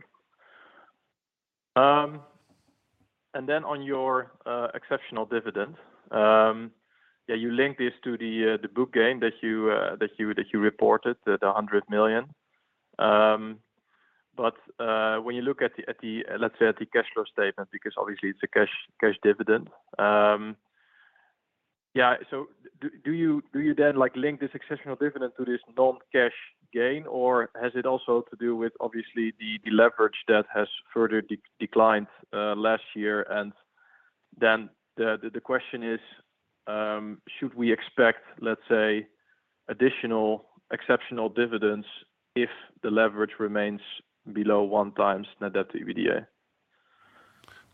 On your exceptional dividend, yeah, you link this to the book gain that you reported, the 100 million. When you look at the cash flow statement, because obviously it's a cash dividend. Do you then like link this exceptional dividend to this non-cash gain, or has it also to do with obviously the leverage that has further declined last year? The question is, should we expect, let's say, additional exceptional dividends if the leverage remains below 1x net debt to EBITDA?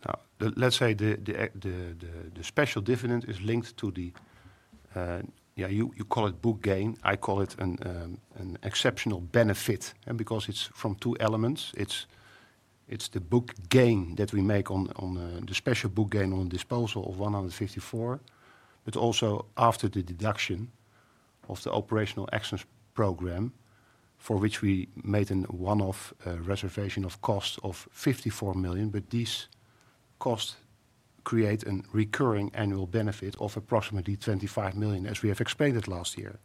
Now, let's say the special dividend is linked to the, yeah, you call it book gain, I call it an exceptional benefit, and because it's from two elements. It's the book gain that we make on the special book gain on disposal of 154, but also after the deduction of the operational actions program, for which we made a one-off reservation of cost of 54 million. These costs create a recurring annual benefit of approximately 25 million, as we have explained it last year.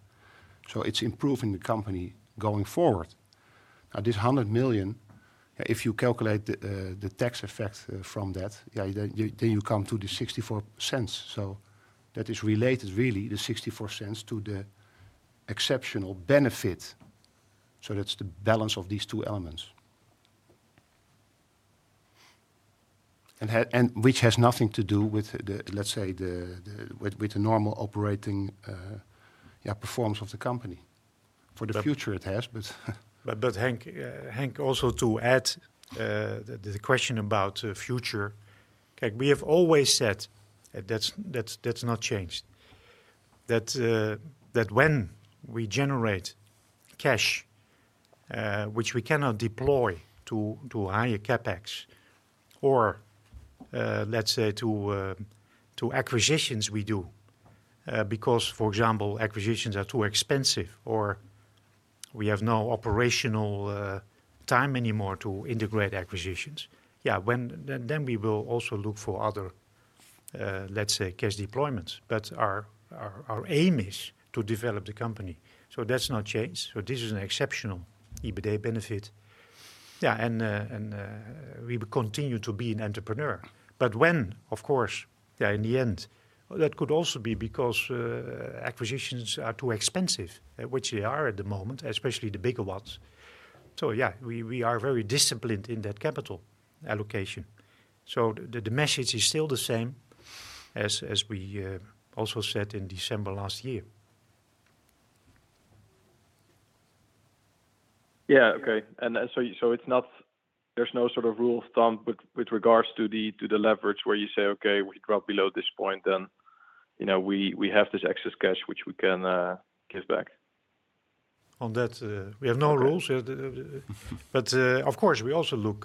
It's improving the company going forward. Now, this 100 million, if you calculate the tax effect from that, yeah, then you come to the 64 cents. That is related really, the 64 cents, to the exceptional benefit. That's the balance of these two elements. Which has nothing to do with, let's say, the normal operating performance of the company. For the future it has, but. Henk, also to add, the question about future. Like we have always said, that's not changed, that when we generate cash, which we cannot deploy to higher CapEx or let's say to acquisitions we do, because for example, acquisitions are too expensive or we have no operational time anymore to integrate acquisitions. Yeah, then we will also look for other let's say, cash deployments. Our aim is to develop the company, so that's not changed. This is an exceptional EBITDA benefit. Yeah, and we will continue to be an entrepreneur. When, of course, yeah, in the end, that could also be because acquisitions are too expensive, which they are at the moment, especially the bigger ones. Yeah, we are very disciplined in that capital allocation. The message is still the same as we also said in December last year. It's not. There's no sort of rule of thumb with regards to the leverage where you say, Okay, we drop below this point, then, you know, we have this excess cash which we can give back. On that, we have no rules. Okay. Of course, we also look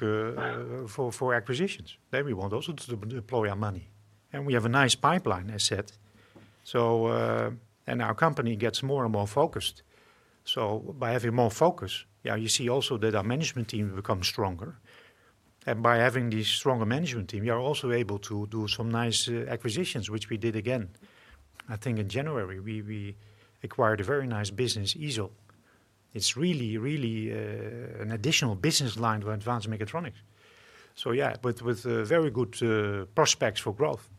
for acquisitions. There we want also to deploy our money. We have a nice pipeline, as said. Our company gets more and more focused. By having more focus, yeah, you see also that our management team becomes stronger. By having this stronger management team, we are also able to do some nice acquisitions, which we did again, I think in January. We acquired a very nice business, Isel. It's really an additional business line to Advanced Mechatronics. Yeah, with very good prospects for growth.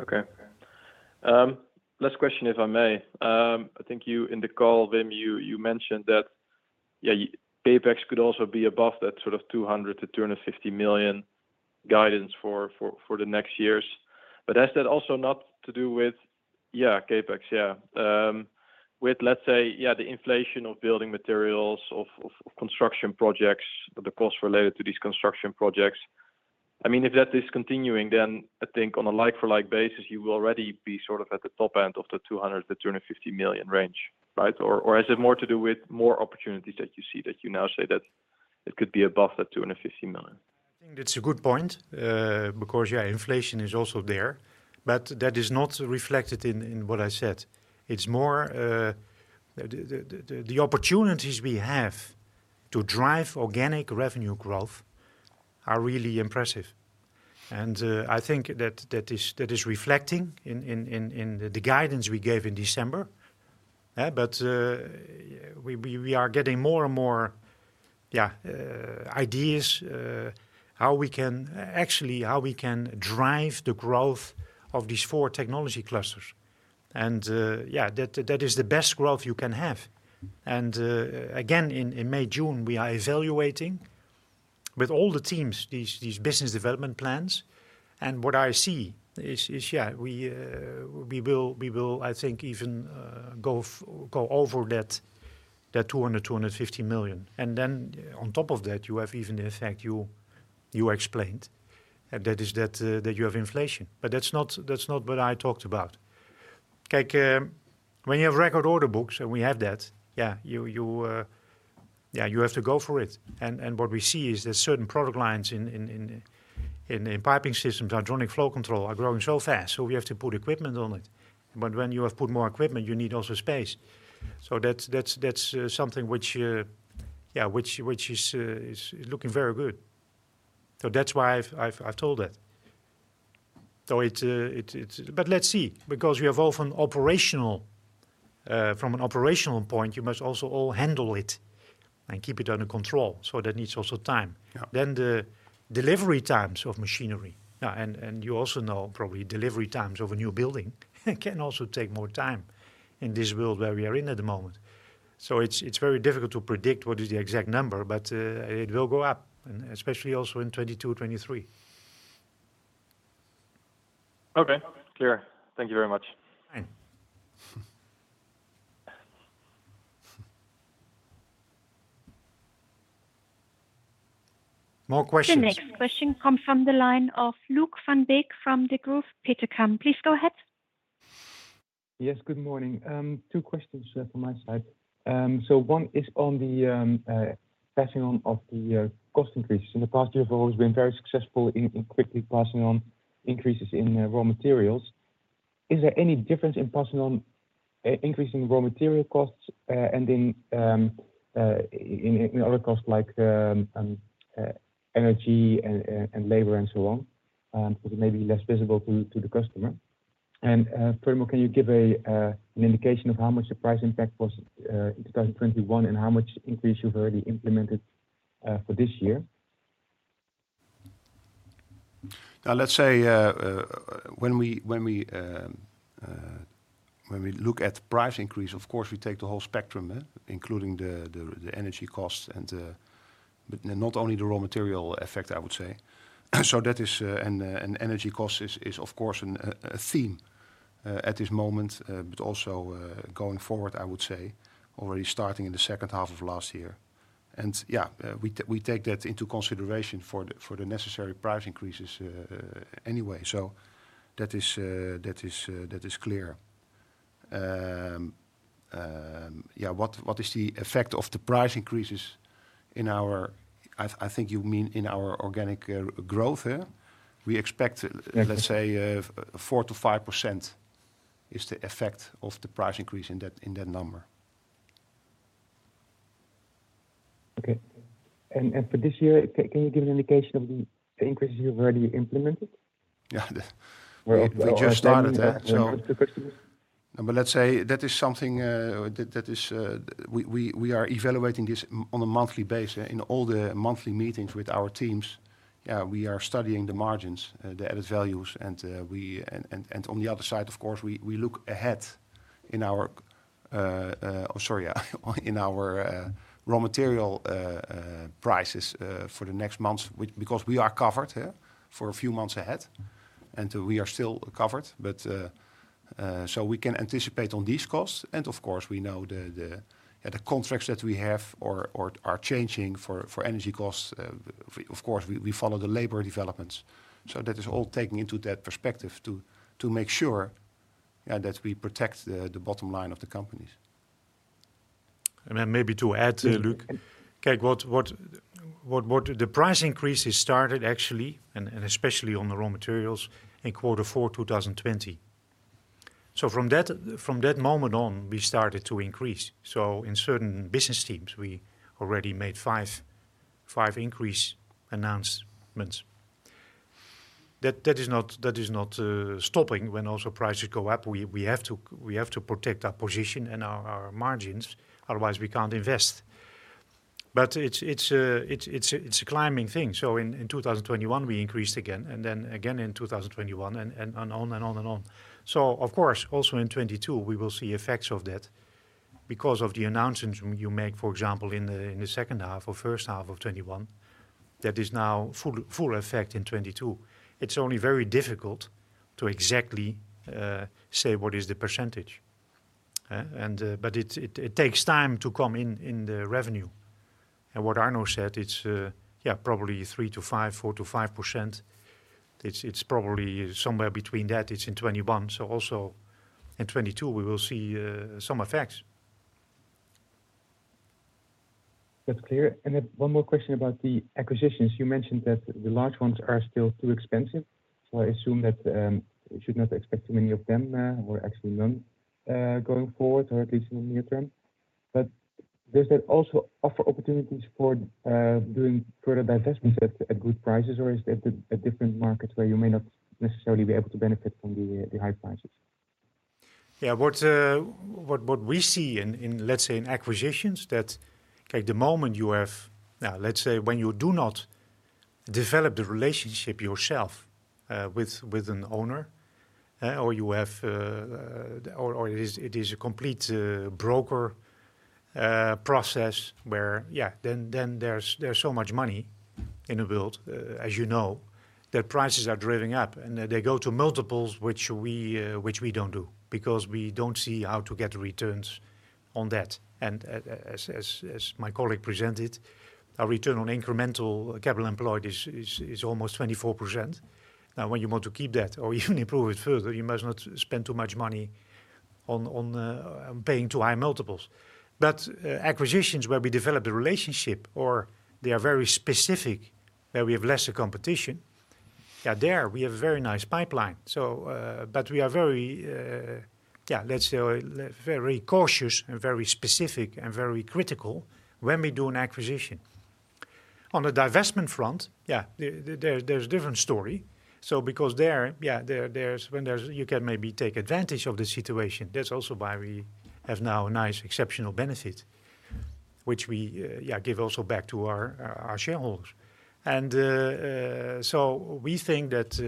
Okay. Last question, if I may. I think you in the call, Wim, you mentioned that CapEx could also be above that sort of 200 million-250 million guidance for the next years. Has that also not to do with CapEx with, let's say, the inflation of building materials of construction projects, the costs related to these construction projects? I mean, if that is continuing, then I think on a like for like basis, you will already be sort of at the top end of the 200 million-250 million range, right? Or is it more to do with more opportunities that you see that you now say that it could be above that 250 million? I think that's a good point, because inflation is also there, but that is not reflected in what I said. It's more, the opportunities we have to drive organic revenue growth are really impressive. I think that is reflecting in the guidance we gave in December. We are getting more and more ideas how we can actually drive the growth of these four technology clusters. That is the best growth you can have. Again, in May, June, we are evaluating with all the teams these business development plans. What I see is, yeah, we will, I think even go over that 250 million. On top of that, you have even the effect you explained, and that is that you have inflation. That's not what I talked about. Okay, when you have record order books, and we have that, yeah, you have to go for it. What we see is there's certain product lines in piping systems, our hydronic flow control are growing so fast, so we have to put equipment on it. When you have put more equipment, you need also space. That's something which, yeah, which is looking very good. That's why I've told that. Let's see, because we have often operational, from an operational point, you must also all handle it and keep it under control. That needs also time. Yeah. The delivery times of machinery. You also know probably delivery times of a new building can also take more time in this world where we are in at the moment. It's very difficult to predict what is the exact number, but it will go up, and especially also in 2022, 2023. Okay. Clear. Thank you very much. Fine. More questions? The next question comes from the line of Luuk van Beek from Degroof Petercam. Please go ahead. Yes, good morning. Two questions from my side. One is on the passing on of the cost increases. In the past, you have always been very successful in quickly passing on increases in raw materials. Is there any difference in passing on increase in raw material costs and in other costs like energy and labor and so on, which may be less visible to the customer? Furthermore, can you give an indication of how much the price impact was in 2021 and how much increase you've already implemented for this year? Now, let's say, when we look at price increase, of course, we take the whole spectrum, including the energy costs, but not only the raw material effect, I would say. That is, energy cost is of course a theme at this moment, but also going forward, I would say, already starting in the second half of last year. We take that into consideration for the necessary price increases anyway. That is clear. Yeah, what is the effect of the price increases in our, I think you mean in our organic growth, yeah? We expect, let's say, 4%-5% is the effect of the price increase in that number. Okay. For this year, can you give an indication of the increases you've already implemented? Yeah. We just started. That's the question. Let's say that is something we are evaluating on a monthly basis. In all the monthly meetings with our teams, we are studying the margins, the added values, and on the other side, of course, we look ahead in our raw material prices for the next months because we are covered for a few months ahead, and we are still covered. We can anticipate on these costs. Of course, we know the contracts that we have or are changing for energy costs. Of course, we follow the labor developments. That is all taken into that perspective to make sure, yeah, that we protect the bottom line of the companies. Then maybe to add, Luke, okay. The price increase has started actually, and especially on the raw materials in quarter four 2020. So from that moment on, we started to increase. So in certain business teams, we already made 5% increase announcements. That is not stopping when also prices go up. We have to protect our position and our margins, otherwise we can't invest. But it's a climbing thing. So in 2021, we increased again, and then again in 2021 and on and on and on. Of course, also in 2022, we will see effects of that because of the announcements you make, for example, in the second half or first half of 2021, that is now full effect in 2022. It's only very difficult to exactly say what is the percentage. It takes time to come in the revenue. What Arno said, it's probably 3%-5%, 4%-5%. It's probably somewhere between that. It's in 2021, so also in 2022 we will see some effects. That's clear. Then one more question about the acquisitions. You mentioned that the large ones are still too expensive, so I assume that we should not expect too many of them, or actually none, going forward or at least in the near term. Does that also offer opportunities for doing further divestments at good prices, or is that at different markets where you may not necessarily be able to benefit from the high prices? What we see in acquisitions is that the moment you have, now, when you do not develop the relationship yourself with an owner or it is a complete broker process where then there's so much money in the bid, as you know, that prices are driving up and they go to multiples which we don't do because we don't see how to get returns on that. As my colleague presented, our return on incremental capital employed is almost 24%. Now, when you want to keep that or even improve it further, you must not spend too much money on paying too high multiples. Acquisitions where we develop the relationship or they are very specific where we have lesser competition, there we have very nice pipeline. We are very, let's say very cautious and very specific and very critical when we do an acquisition. On the divestment front, there's different story. Because there, when there's, you can maybe take advantage of the situation. That's also why we have now a nice exceptional benefit which we give also back to our shareholders. We think that,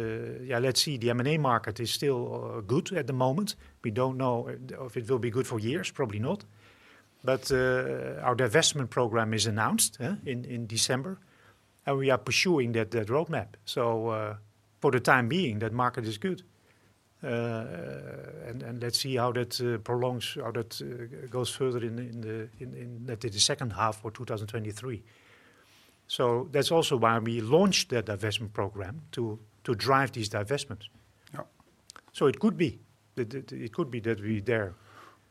let's see, the M&A market is still good at the moment. We don't know if it will be good for years, probably not. Our divestment program is announced in December, and we are pursuing that roadmap. For the time being, that market is good. Let's see how that prolongs or that goes further in, let's say, the second half of 2023. That's also why we launched that divestment program to drive these divestments. Yeah. It could be that we there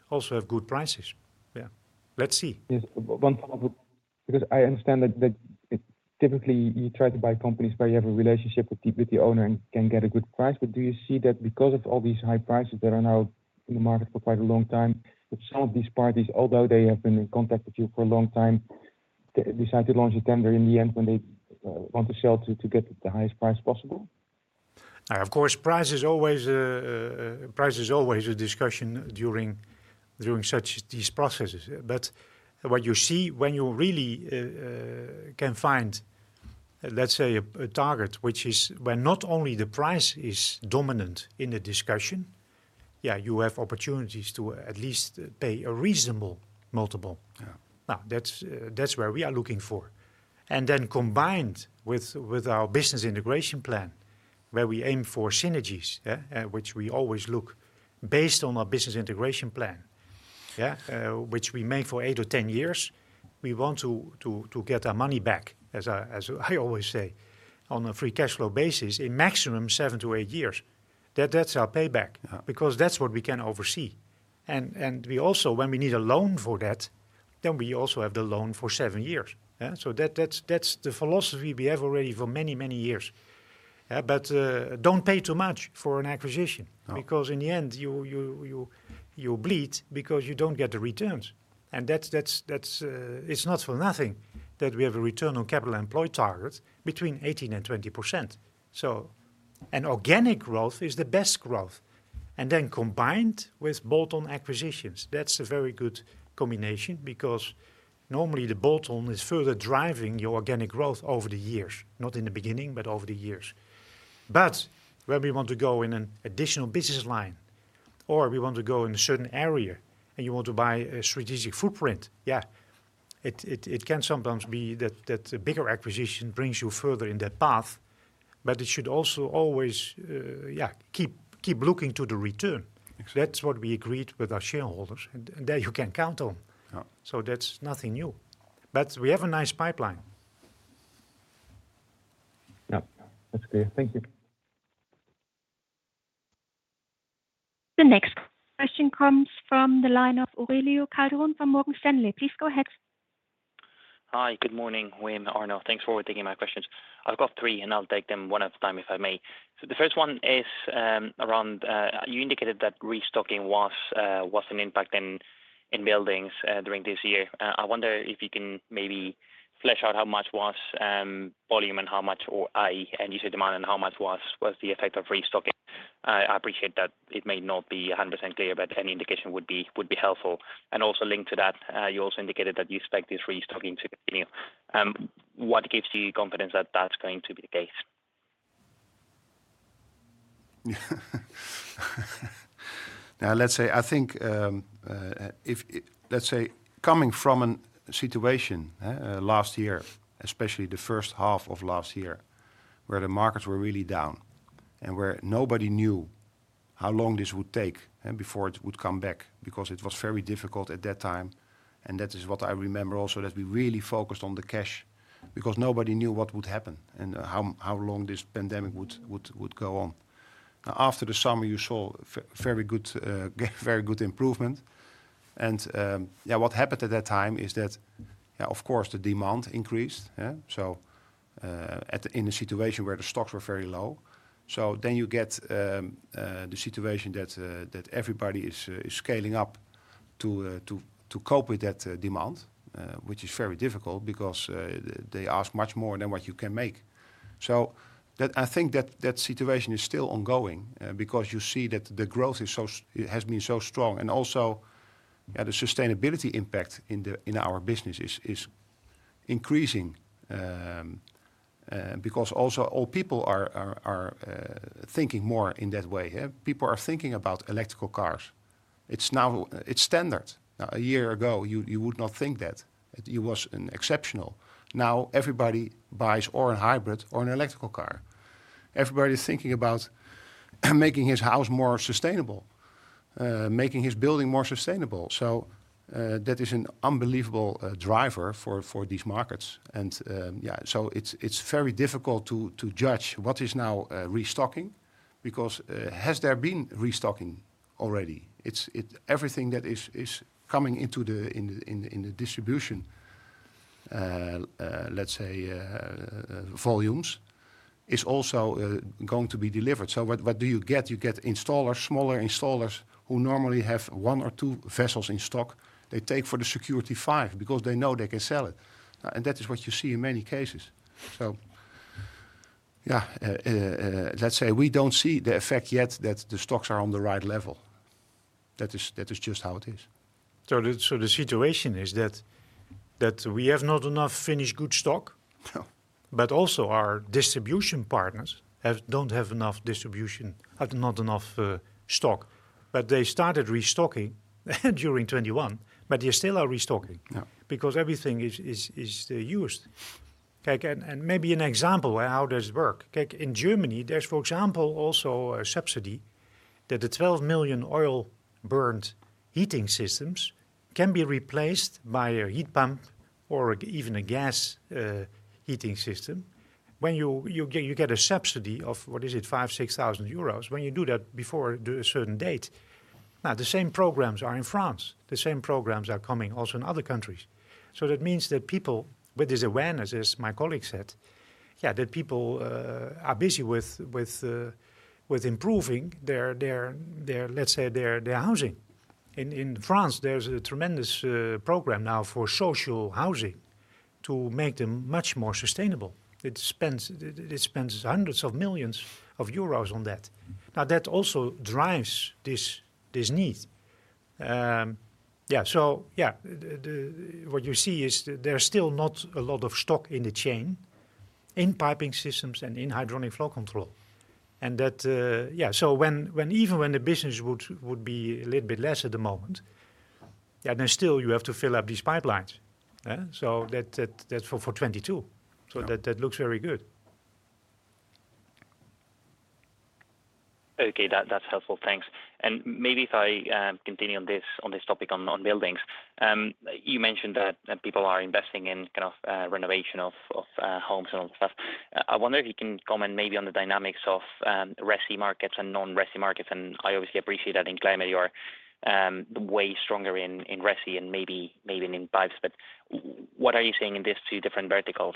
also have good prices. Yeah. Let's see. Yes. One follow-up, because I understand that typically you try to buy companies where you have a relationship with the owner and can get a good price. Do you see that because of all these high prices that are now in the market for quite a long time, that some of these parties, although they have been in contact with you for a long time, decide to launch a tender in the end when they want to sell to get the highest price possible? Of course, price is always a discussion during these processes. What you see when you really can find, let's say, a target which is where not only the price is dominant in the discussion, yeah, you have opportunities to at least pay a reasonable multiple. Yeah. Now, that's where we are looking for. Combined with our business integration plan, where we aim for synergies, which we always look based on our business integration plan, which we make for 8 or 10 years. We want to get our money back, as I always say, on a free cash flow basis in maximum 7-8 years. That's our payback. Yeah. Because that's what we can oversee. We also, when we need a loan for that, then we also have the loan for seven years. Yeah? That's the philosophy we have already for many, many years. Don't pay too much for an acquisition. No. Because in the end, you bleed because you don't get the returns. That's not for nothing that we have a return on capital employed target between 18% and 20%. Organic growth is the best growth. Then combined with bolt-on acquisitions, that's a very good combination because normally the bolt-on is further driving your organic growth over the years. Not in the beginning, but over the years. When we want to go in an additional business line or we want to go in a certain area and you want to buy a strategic footprint, yeah, it can sometimes be that a bigger acquisition brings you further in that path, but it should also always keep looking to the return. Exactly. That's what we agreed with our shareholders, and that you can count on. Yeah. That's nothing new. We have a nice pipeline. Yeah. That's clear. Thank you. The next question comes from the line of Aurelio Calderon Tejedor from Morgan Stanley. Please go ahead. Hi. Good morning, Wim, Arno. Thanks for taking my questions. I've got three, and I'll take them one at a time, if I may. The first one is around you indicated that restocking was an impact in Buildings during this year. I wonder if you can maybe flesh out how much was volume and how much, or, i.e., end user demand and how much was the effect of restocking. I appreciate that it may not be 100% clear, but any indication would be helpful. Also linked to that, you also indicated that you expect this restocking to continue. What gives you confidence that that's going to be the case? Now, let's say coming from a situation last year, especially the first half of last year- When the markets were really down and nobody knew how long this would take before it would come back, because it was very difficult at that time. That is what I remember also, that we really focused on the cash because nobody knew what would happen and how long this pandemic would go on. After the summer, you saw very good improvement. What happened at that time is that, of course, the demand increased in a situation where the stocks were very low. You get the situation that everybody is scaling up to cope with that demand, which is very difficult because they ask much more than what you can make. I think that situation is still ongoing, because you see that the growth has been so strong, and also the sustainability impact in our business is increasing, because also all people are thinking more in that way. People are thinking about electric cars. It's standard. A year ago, you would not think that. It was exceptional. Now everybody buys or a hybrid or an electric car. Everybody's thinking about making his house more sustainable, making his building more sustainable. That is an unbelievable driver for these markets. It's very difficult to judge what is now restocking because has there been restocking already? Everything that is coming into the distribution, let's say, volumes, is also going to be delivered. What do you get? You get installers, smaller installers who normally have one or two vessels in stock. They take for the security five because they know they can sell it. That is what you see in many cases. Let's say we don't see the effect yet that the stocks are on the right level. That is just how it is. The situation is that we have not enough finished goods stock. No. Also our distribution partners don't have enough stock. They started restocking during 2021, but they still are restocking. Yeah Because everything is used. Okay, maybe an example how this works. In Germany, there's, for example, also a subsidy that the 12 million oil-burning heating systems can be replaced by a heat pump or even a gas heating system. When you get a subsidy of, what is it? 5,000-6,000 euros when you do that before the certain date. The same programs are in France. The same programs are coming also in other countries. That means that people, with this awareness, as my colleague said, yeah, that people are busy with improving their, let's say, their housing. In France, there's a tremendous program now for social housing to make them much more sustainable. It spends hundreds of millions of EUR on that. Now, that also drives this need. What you see is there's still not a lot of stock in the chain, in piping systems and in hydronic flow control. That even when the business would be a little bit less at the moment, then still you have to fill up these pipelines. That's for 2022. Yeah. That looks very good. Okay. That's helpful. Thanks. Maybe if I continue on this topic on buildings. You mentioned that people are investing in kind of renovation of homes and stuff. I wonder if you can comment maybe on the dynamics of resi markets and non-resi markets. I obviously appreciate that in Comap you are way stronger in resi and maybe in pipes. What are you seeing in these two different verticals?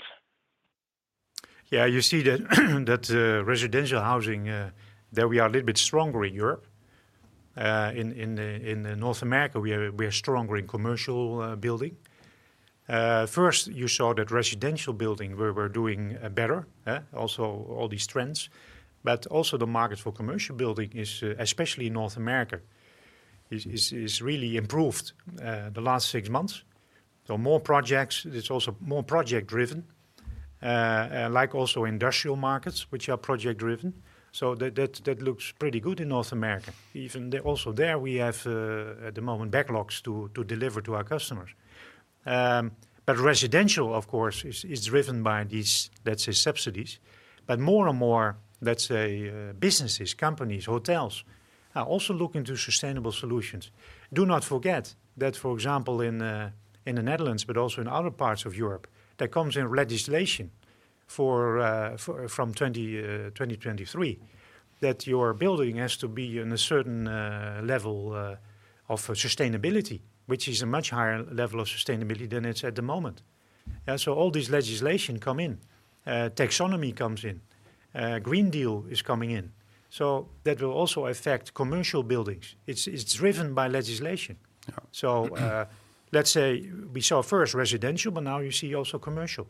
Yeah, you see that residential housing. There we are a little bit stronger in Europe. In North America, we are stronger in commercial building. First you saw that residential building, we were doing better. All these trends, but also the market for commercial building is, especially in North America, really improved the last six months. More projects. It's also more project driven, like also industrial markets, which are project driven. That looks pretty good in North America. Even there we have at the moment backlogs to deliver to our customers. Residential, of course, is driven by these, let's say, subsidies. More and more, let's say, businesses, companies, hotels are also looking to sustainable solutions. Do not forget that, for example, in the Netherlands, but also in other parts of Europe, there comes in legislation from 2023, that your building has to be in a certain level of sustainability, which is a much higher level of sustainability than it's at the moment. Yeah, all this legislation come in, Taxonomy comes in, Green Deal is coming in. That will also affect commercial buildings. It's driven by legislation. Yeah. Let's say we saw first residential, but now you see also commercial.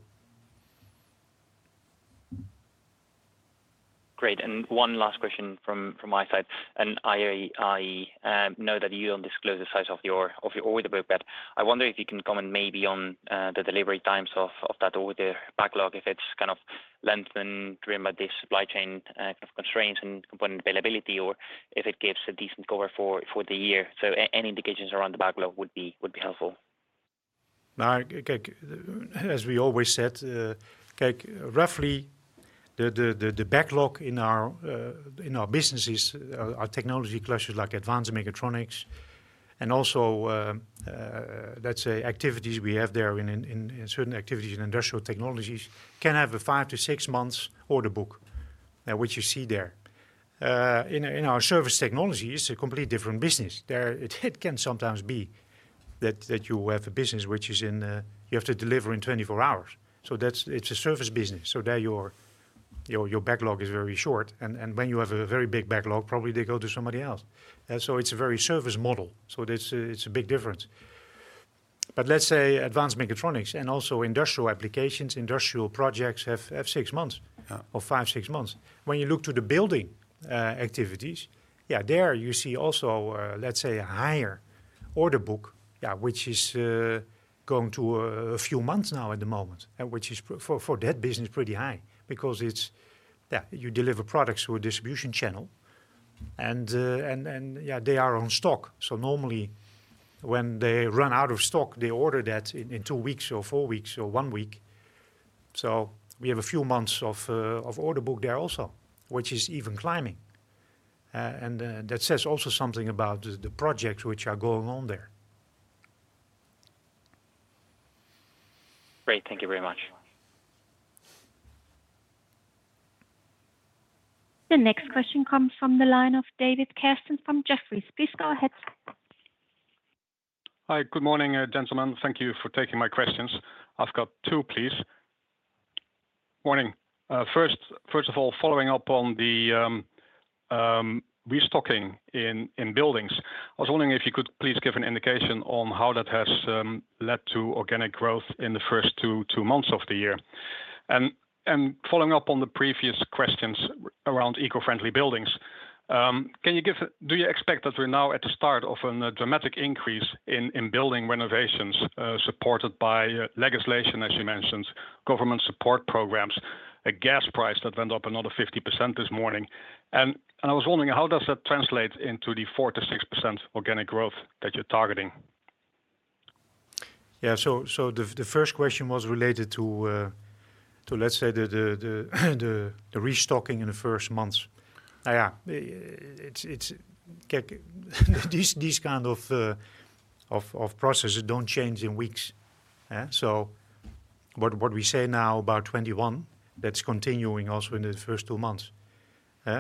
Great. One last question from my side. I know that you don't disclose the size of your order book, but I wonder if you can comment maybe on the delivery times of that order backlog, if it's kind of lengthened during this supply chain kind of constraints and component availability, or if it gives a decent cover for the year. Any indications around the backlog would be helpful. As we always said, like roughly the backlog in our businesses, our technology clusters, like advanced mechatronics and also, let's say, activities we have there in certain activities in Industrial Technology, can have a 5-6 months order book, which you see there. In our service technology, it's a completely different business. There it can sometimes be that you have a business which is in you have to deliver in 24 hours. So that's a service business. So there your backlog is very short, and when you have a very big backlog, probably they go to somebody else. So it's a very service model, so that's a big difference. Let's say Advanced Mechatronics and also industrial applications, industrial projects have six months- Yeah. for 5, 6 months. When you look to the building activities, there you see also let's say a higher order book, which is going to a few months now at the moment, and which is for that business pretty high because it's you deliver products through a distribution channel and they are in stock. So normally when they run out of stock, they order that in 2 weeks or 4 weeks or 1 week. So we have a few months of order book there also, which is even climbing. And that says also something about the projects which are going on there. Great. Thank you very much. The next question comes from the line of David Kerstens from Jefferies. Please go ahead. Hi. Good morning, gentlemen. Thank you for taking my questions. I've got two, please. Morning. First of all, following up on the restocking in buildings, I was wondering if you could please give an indication on how that has led to organic growth in the first 2 months of the year. Following up on the previous questions around eco-friendly buildings, do you expect that we're now at the start of a dramatic increase in building renovations, supported by legislation, as you mentioned, government support programs, a gas price that went up another 50% this morning? I was wondering, how does that translate into the 4%-6% organic growth that you're targeting? The first question was related to, let's say, the restocking in the first months. It's these kind of processes don't change in weeks. What we say now about 21, that's continuing also in the first two months. You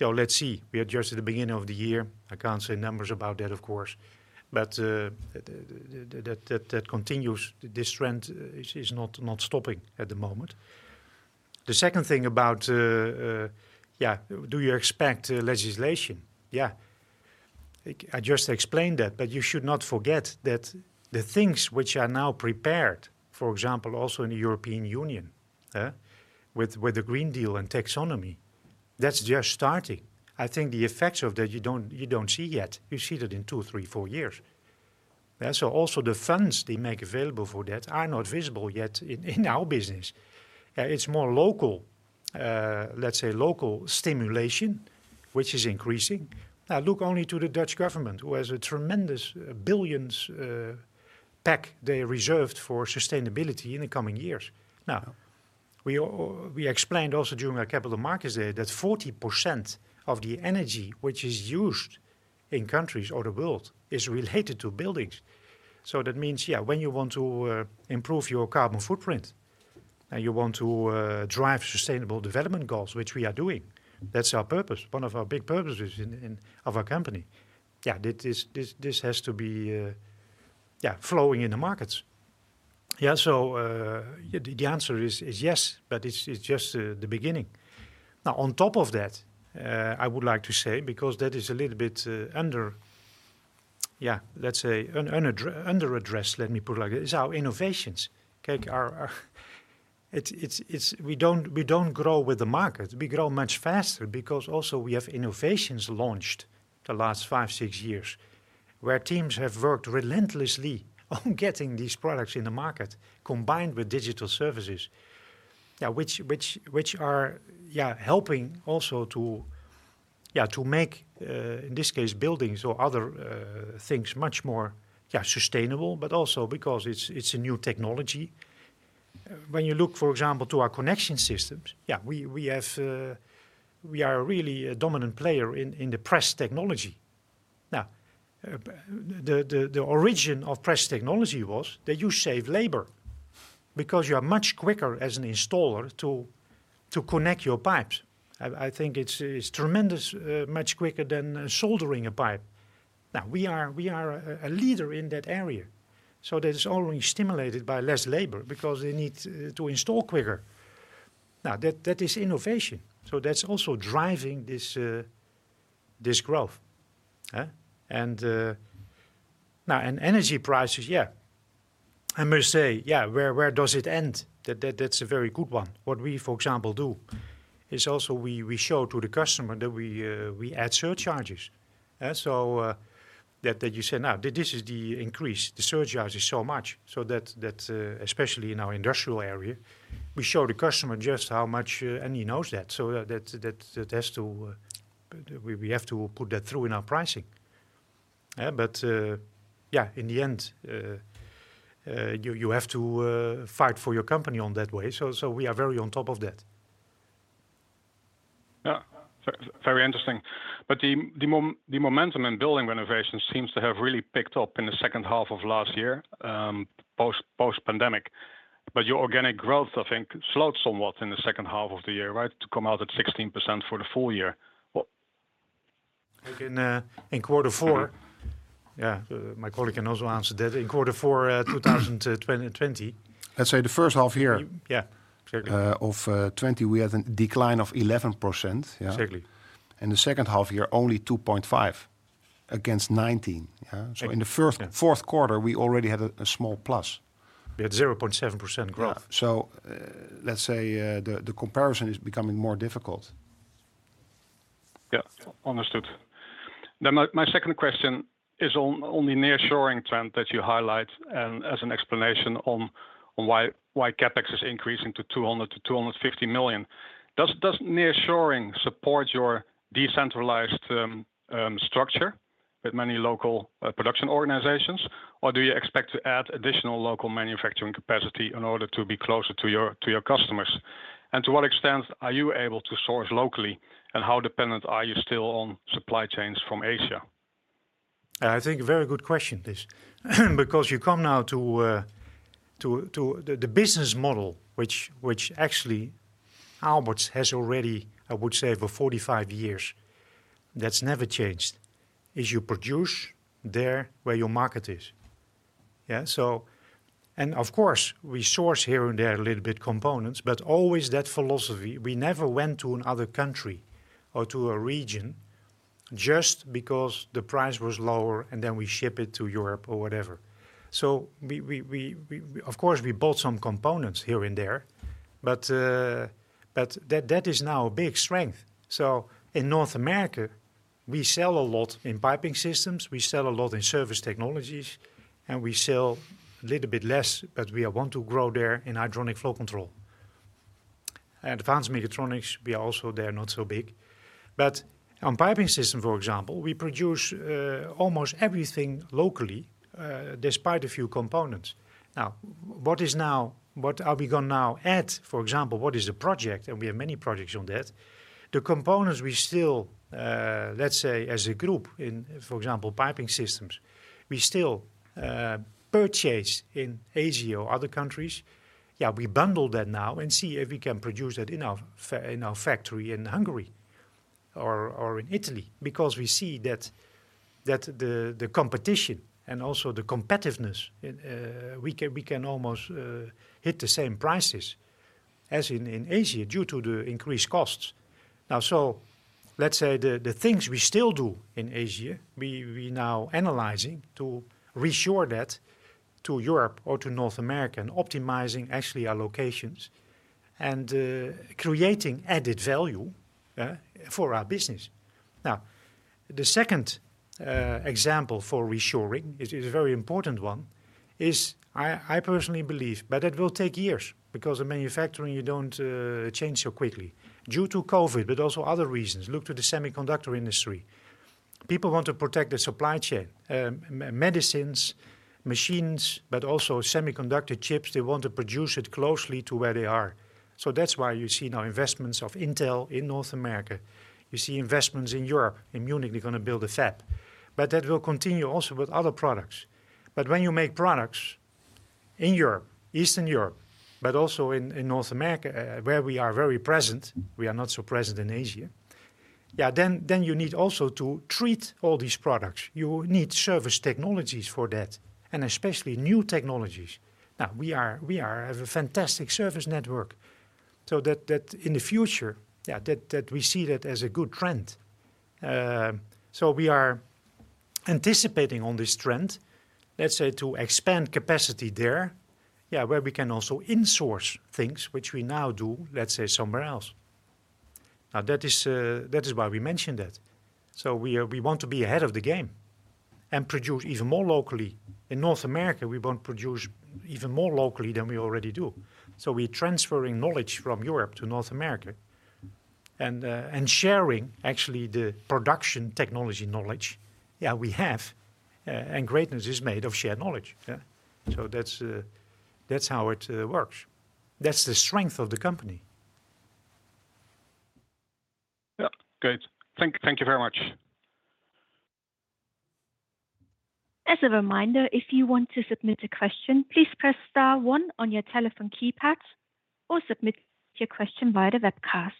know, let's see. We are just at the beginning of the year. I can't say numbers about that, of course, but that continues. This trend is not stopping at the moment. The second thing about, yeah, do you expect legislation? I just explained that. You should not forget that the things which are now prepared, for example, also in the European Union, with the Green Deal and Taxonomy, that's just starting. I think the effects of that you don't see yet. You see that in 2, 3, 4 years. Also the funds they make available for that are not visible yet in our business. It's more local, let's say, local stimulation, which is increasing. Look only to the Dutch government, who has a tremendous billions package they reserved for sustainability in the coming years. We explained also during our capital markets day that 40% of the energy which is used in countries or the world is related to buildings. That means, yeah, when you want to improve your carbon footprint and you want to drive Sustainable Development Goals, which we are doing, that's our purpose, one of our big purposes in of our company. Yeah. This has to be flowing in the markets. The answer is yes, but it's just the beginning. Now, on top of that, I would like to say, because that is a little bit underaddressed, let me put it like this, is our innovations. Our. It's we don't grow with the market. We grow much faster because also we have innovations launched the last five, six years, where teams have worked relentlessly on getting these products in the market, combined with digital services, which are helping also to make, in this case, buildings or other things much more sustainable, but also because it's a new technology. When you look, for example, to our connection systems, we are really a dominant player in the press technology. Now, the origin of press technology was that you save labor, because you are much quicker as an installer to connect your pipes. I think it's tremendous, much quicker than soldering a pipe. Now, we are a leader in that area, so that is only stimulated by less labor because they need to install quicker. Now, that is innovation. That's also driving this growth. Now, energy prices, I must say, where does it end? That's a very good one. What we do, for example, is also we show to the customer that we add surcharges. That you say, Now, this is the increase. The surcharge is so much, that especially in our industrial area, we show the customer just how much, and he knows that. That has to. We have to put that through in our pricing. Yeah. Yeah, in the end, you have to fight for your company in that way. We are very on top of that. Yeah. Very interesting. The momentum in building renovations seems to have really picked up in the second half of last year, post-pandemic. Your organic growth, I think, slowed somewhat in the second half of the year, right? To come out at 16% for the full year. What- Like in quarter four. Sorry. Yeah. My colleague can also answer that. In quarter four, 2020. Let's say the first half year. Yeah. Exactly of 2020 we had a decline of 11%. Yeah. Exactly. In the second half year, only 2.5 against 19. Yeah. Exactly. Yeah. In the fourth quarter, we already had a small plus. We had 0.7% growth. Let's say the comparison is becoming more difficult. Yeah. Understood. My second question is on the nearshoring trend that you highlight and as an explanation on why CAPEX is increasing to 200 million-250 million. Does nearshoring support your decentralized structure with many local production organizations, or do you expect to add additional local manufacturing capacity in order to be closer to your customers? And to what extent are you able to source locally, and how dependent are you still on supply chains from Asia? I think a very good question, this, because you come now to the business model, which actually Aalberts has already, I would say, for 45 years, that's never changed, is you produce there where your market is. Yeah? Of course, we source here and there a little bit components, but always that philosophy. We never went to another country or to a region just because the price was lower, and then we ship it to Europe or whatever. We bought some components here and there, but that is now a big strength. In North America, we sell a lot in piping systems, we sell a lot in service technologies, and we sell a little bit less, but we want to grow there in hydronic flow control. Advanced mechatronics, we are also there, not so big. On piping system, for example, we produce almost everything locally, despite a few components. Now, what are we gonna now add? For example, what is the project, and we have many projects on that. The components we still, let's say as a group in, for example, piping systems, we still purchase in Asia or other countries. Yeah, we bundle that now and see if we can produce that in our factory in Hungary or in Italy, because we see that the competition and also the competitiveness, we can almost hit the same prices as in Asia due to the increased costs. Now, let's say the things we still do in Asia, we now analyzing to reshore that to Europe or to North America and optimizing actually our locations and creating added value for our business. The second example for reshoring is a very important one, I personally believe, but it will take years, because in manufacturing you don't change so quickly. Due to COVID, but also other reasons, look to the semiconductor industry. People want to protect the supply chain, medicines, machines, but also semiconductor chips, they want to produce it closely to where they are. So that's why you see now investments of Intel in North America. You see investments in Europe. In Munich, they're gonna build a fab. That will continue also with other products. When you make products in Europe, Eastern Europe, but also in North America, where we are very present, we are not so present in Asia, then you need also to treat all these products. You need service technologies for that, and especially new technologies. We are a fantastic service network, so that in the future, that we see that as a good trend. So we are anticipating on this trend, let's say, to expand capacity there, where we can also insource things which we now do, let's say, somewhere else. That is why we mentioned that. So we want to be ahead of the game and produce even more locally. In North America, we want produce even more locally than we already do. We're transferring knowledge from Europe to North America and sharing actually the production technology knowledge, we have, and greatness is made of shared knowledge. That's how it works. That's the strength of the company. Yeah. Good. Thank you very much. As a reminder, if you want to submit a question, please press star one on your telephone keypad or submit your question via the webcast.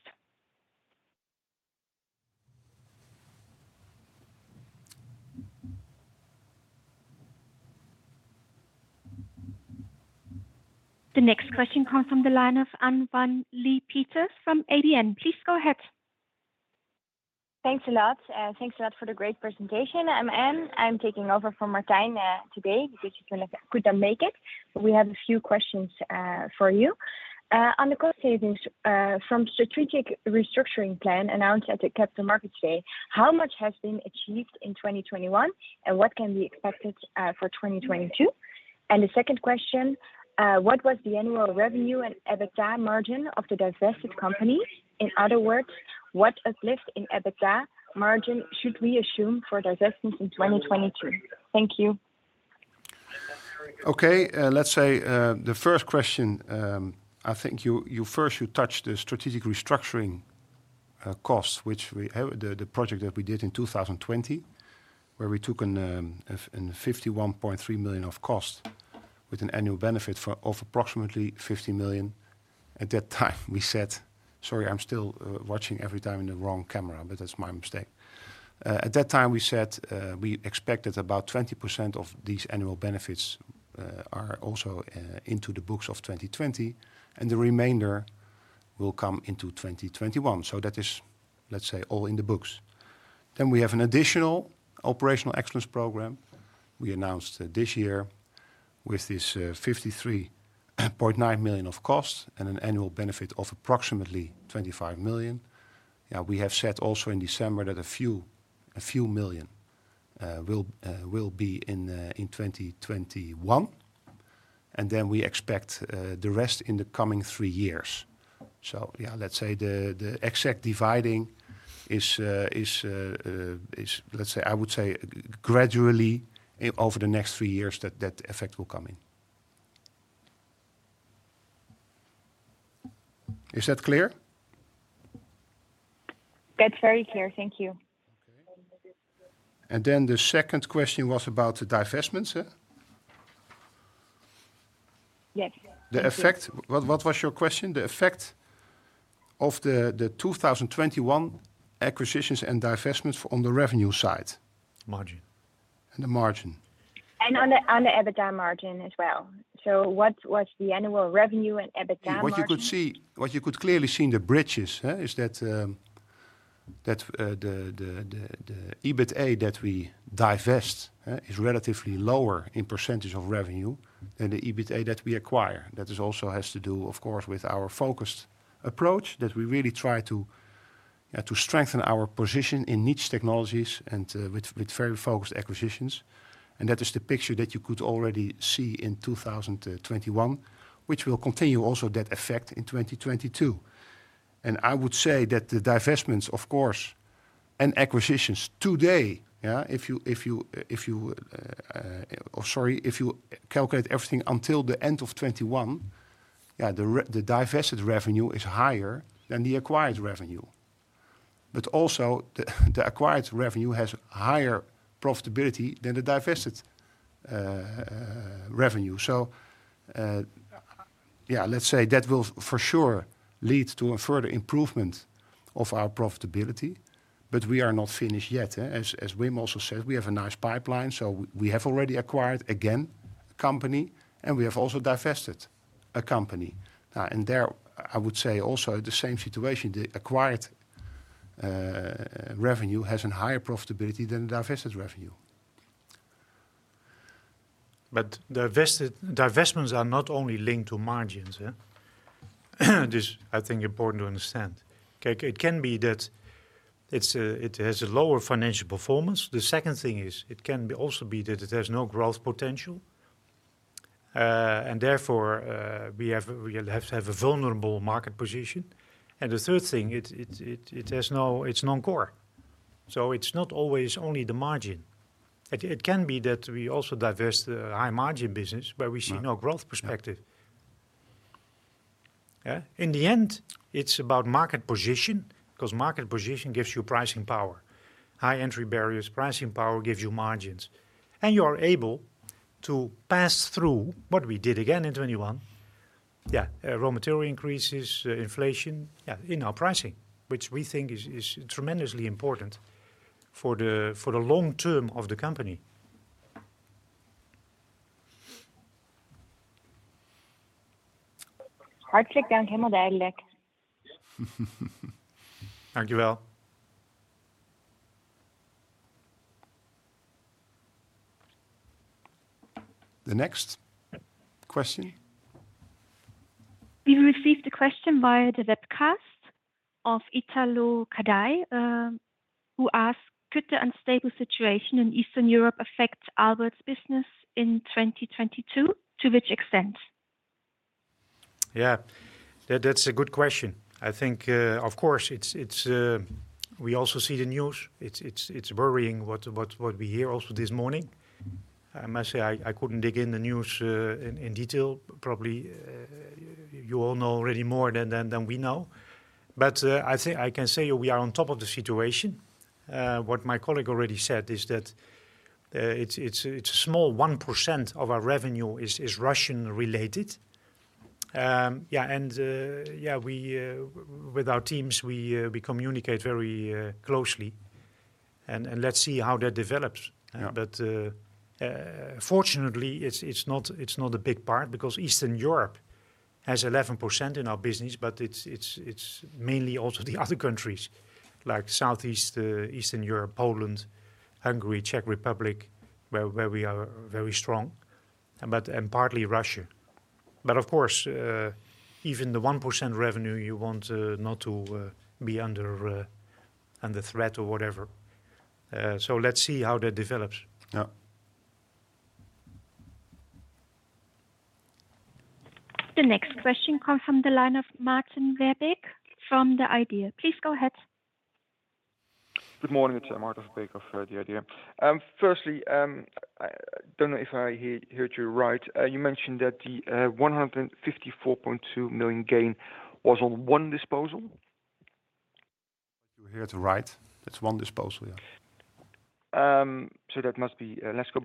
The next question comes from the line of Anne van Leeuwen from ABN. Please go ahead. Thanks a lot. Thanks a lot for the great presentation, I'm Anne. I'm taking over from Martijn today because she couldn't make it. We have a few questions for you. On the cost savings from strategic restructuring plan announced at the Capital Markets Day, how much has been achieved in 2021, and what can be expected for 2022? The second question, what was the annual revenue and EBITDA margin of the divested company? In other words, what uplift in EBITDA margin should we assume for divestments in 2022? Thank you. Okay. Let's say, the first question, I think you first touched the strategic restructuring costs, which we have, the project that we did in 2020, where we took an 51.3 million cost with an annual benefit of approximately 50 million. At that time we said. Sorry, I'm still watching every time in the wrong camera, but that's my mistake. At that time we said, we expected about 20% of these annual benefits are also into the books of 2020, and the remainder will come into 2021. That is, let's say, all in the books. We have an additional operational excellence program we announced this year with this 53.9 million of costs and an annual benefit of approximately 25 million. Yeah, we have said also in December that EUR a few million will be in 2021, and then we expect the rest in the coming three years. Yeah, let's say the exact dividing is, let's say, I would say gradually over the next three years that effect will come in. Is that clear? That's very clear. Thank you. Okay. The second question was about the divestments, huh? Yes. Thank you. The effect? What was your question? The effect of the 2021 acquisitions and divestments on the revenue side. Margin. The margin. On the EBITDA margin as well. What's the annual revenue and EBITDA margin? What you could clearly see in the bridges is that the EBITA that we divest is relatively lower in percentage of revenue than the EBITA that we acquire. That also has to do, of course, with our focused approach that we really try to strengthen our position in niche technologies and with very focused acquisitions. That is the picture that you could already see in 2021, which will continue also that effect in 2022. I would say that the divestments of course and acquisitions today. If you calculate everything until the end of 2021, the divested revenue is higher than the acquired revenue. Also the acquired revenue has higher profitability than the divested revenue. Let's say that will for sure lead to a further improvement of our profitability, but we are not finished yet, huh? As Wim also said, we have a nice pipeline, so we have already acquired again company, and we have also divested a company. There I would say also the same situation, the acquired revenue has a higher profitability than the divested revenue. Divestments are not only linked to margins, yeah? This, I think, is important to understand. Okay. It can be that it has a lower financial performance. The second thing is it can also be that it has no growth potential, and therefore, we have to have a vulnerable market position. The third thing, it's non-core. So it's not always only the margin. It can be that we also divest a high margin business where we see no growth perspective. Yeah. In the end, it's about market position, because market position gives you pricing power. High entry barriers, pricing power gives you margins, and you are able to pass through what we did again in 2021. Yeah, raw material increases, inflation, yeah, in our pricing, which we think is tremendously important for the long term of the company. Thank you. The next question. We received a question via the webcast of Italo Cadei, who asked, Could the unstable situation in Eastern Europe affect Aalberts's business in 2022? To which extent? Yeah. That's a good question. I think of course we also see the news. It's worrying what we hear also this morning. I must say I couldn't dig in the news in detail. Probably you all know already more than we know. I think I can say we are on top of the situation. What my colleague already said is that it's small 1% of our revenue is Russian related. Yeah. Yeah we with our teams we communicate very closely and let's see how that develops. Yeah. Fortunately, it's not a big part because Eastern Europe has 11% in our business, but it's mainly also the other countries like Southeast, Eastern Europe, Poland, Hungary, Czech Republic, where we are very strong, but and partly Russia. Of course, even the 1% revenue you want not to be under threat or whatever. Let's see how that develops. Yeah. The next question comes from the line of Maarten Verbeek from the IDEA!. Please go ahead. Good morning. It's Maarten Verbeek of the IDEA!. Firstly, I don't know if I heard you right. You mentioned that the 154.2 million gain was on one disposal. You heard it right. That's one disposal, yeah. That must be Lasco.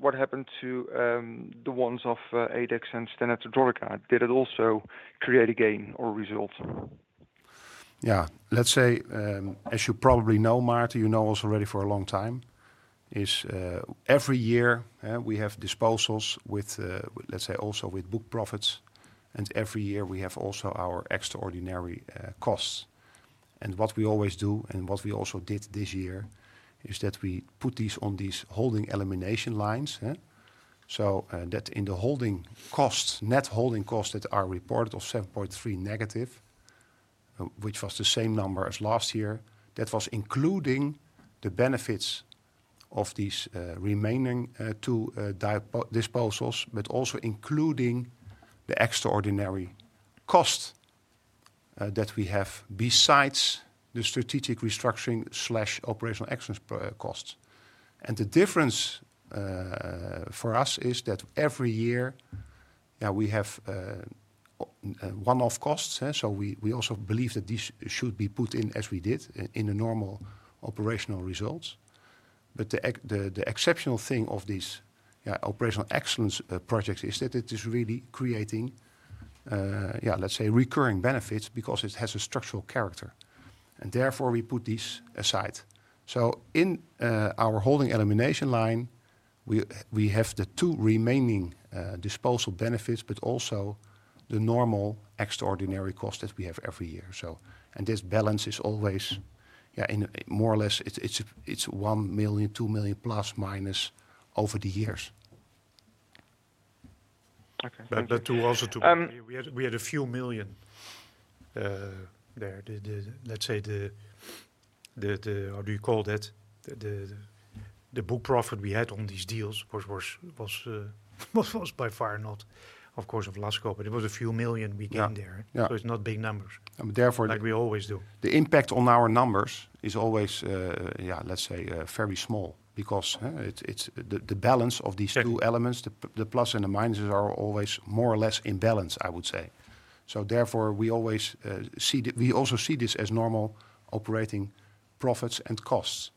What happened to the ones of Adex and Stena Technica? Did it also create a gain or result? Yeah. Let's say, as you probably know, Maarten, you know us already for a long time, every year we have disposals with, let's say, also with book profits. Every year we have also our extraordinary costs. What we always do, and what we also did this year, is that we put these on these holding elimination lines. That in the holding costs, net holding costs that are reported of -7.3, which was the same number as last year. That was including the benefits of these remaining 2 disposals, but also including the extraordinary costs that we have besides the strategic restructuring/operational excellence costs. The difference for us is that every year we have one-off costs. We also believe that this should be put in as we did in the normal operational results. The exceptional thing of this operational excellence projects is that it is really creating recurring benefits because it has a structural character, and therefore we put this aside. In our holding elimination line, we have the two remaining disposal benefits, but also the normal extraordinary costs that we have every year. This balance is always in more or less it's 1 million, 2 million plus minus over the years. Okay. Thank you. the two also together. Um- We had EUR a few million there. Let's say the book profit we had on these deals was by far not, of course, of Lasco, but it was EUR a few million we gained there. Yeah. Yeah. It's not big numbers. And therefore- Like we always do. The impact on our numbers is always, yeah, let's say, very small because it's the balance of these two elements. Sure The plus and the minuses are always more or less in balance, I would say. Therefore, we always see this as normal operating profits and costs.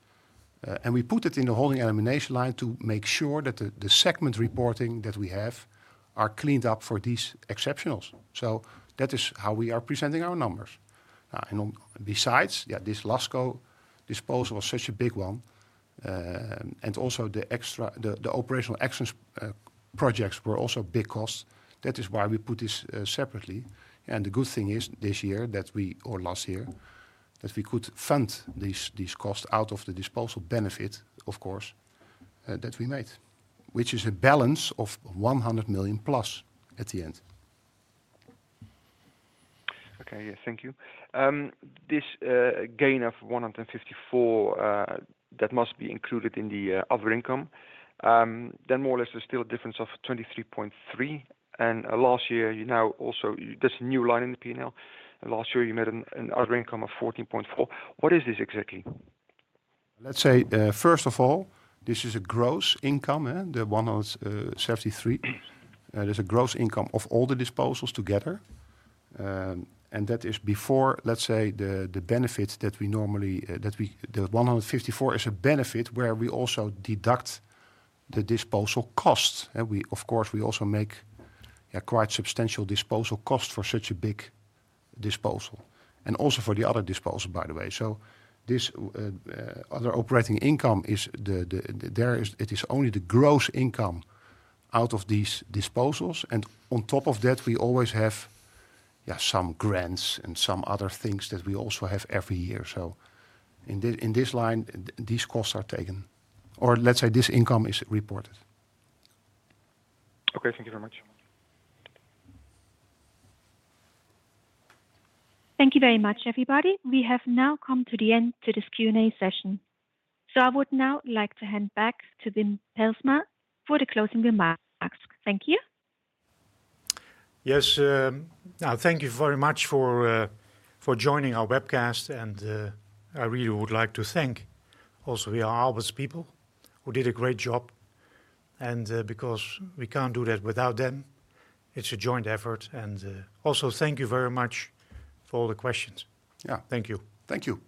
We put it in the holding elimination line to make sure that the segment reporting that we have are cleaned up for these exceptionals. That is how we are presenting our numbers. Besides, yeah, this Lasco disposal was such a big one. Also the extra, the operational excellence projects were also big costs. That is why we put this separately. The good thing is this year that we, or last year, that we could fund these costs out of the disposal benefit, of course, that we made, which is a balance of 100 million plus at the end. Okay. Yeah. Thank you. This gain of 154 that must be included in the other income. More or less there's still a difference of 23.3. Last year you know also there's a new line in the P&L, and last year you made an other income of 14.4. What is this exactly? Let's say, first of all, this is a gross income of EUR 173. There's a gross income of all the disposals together. That is before, let's say, the benefits that we normally. The 154 is a benefit where we also deduct the disposal costs. We, of course, also make a quite substantial disposal cost for such a big disposal, and also for the other disposal, by the way. This other operating income is only the gross income out of these disposals. On top of that, we always have some grants and some other things that we also have every year. In this line, these costs are taken, or let's say this income is reported. Okay. Thank you very much. Thank you very much, everybody. We have now come to the end of this Q&A session. I would now like to hand back to Wim Pelsma for the closing remarks. Thank you. Yes. Now thank you very much for joining our webcast. I really would like to thank also our Aalberts people who did a great job, and because we can't do that without them. It's a joint effort. Also thank you very much for all the questions. Yeah. Thank you. Thank you.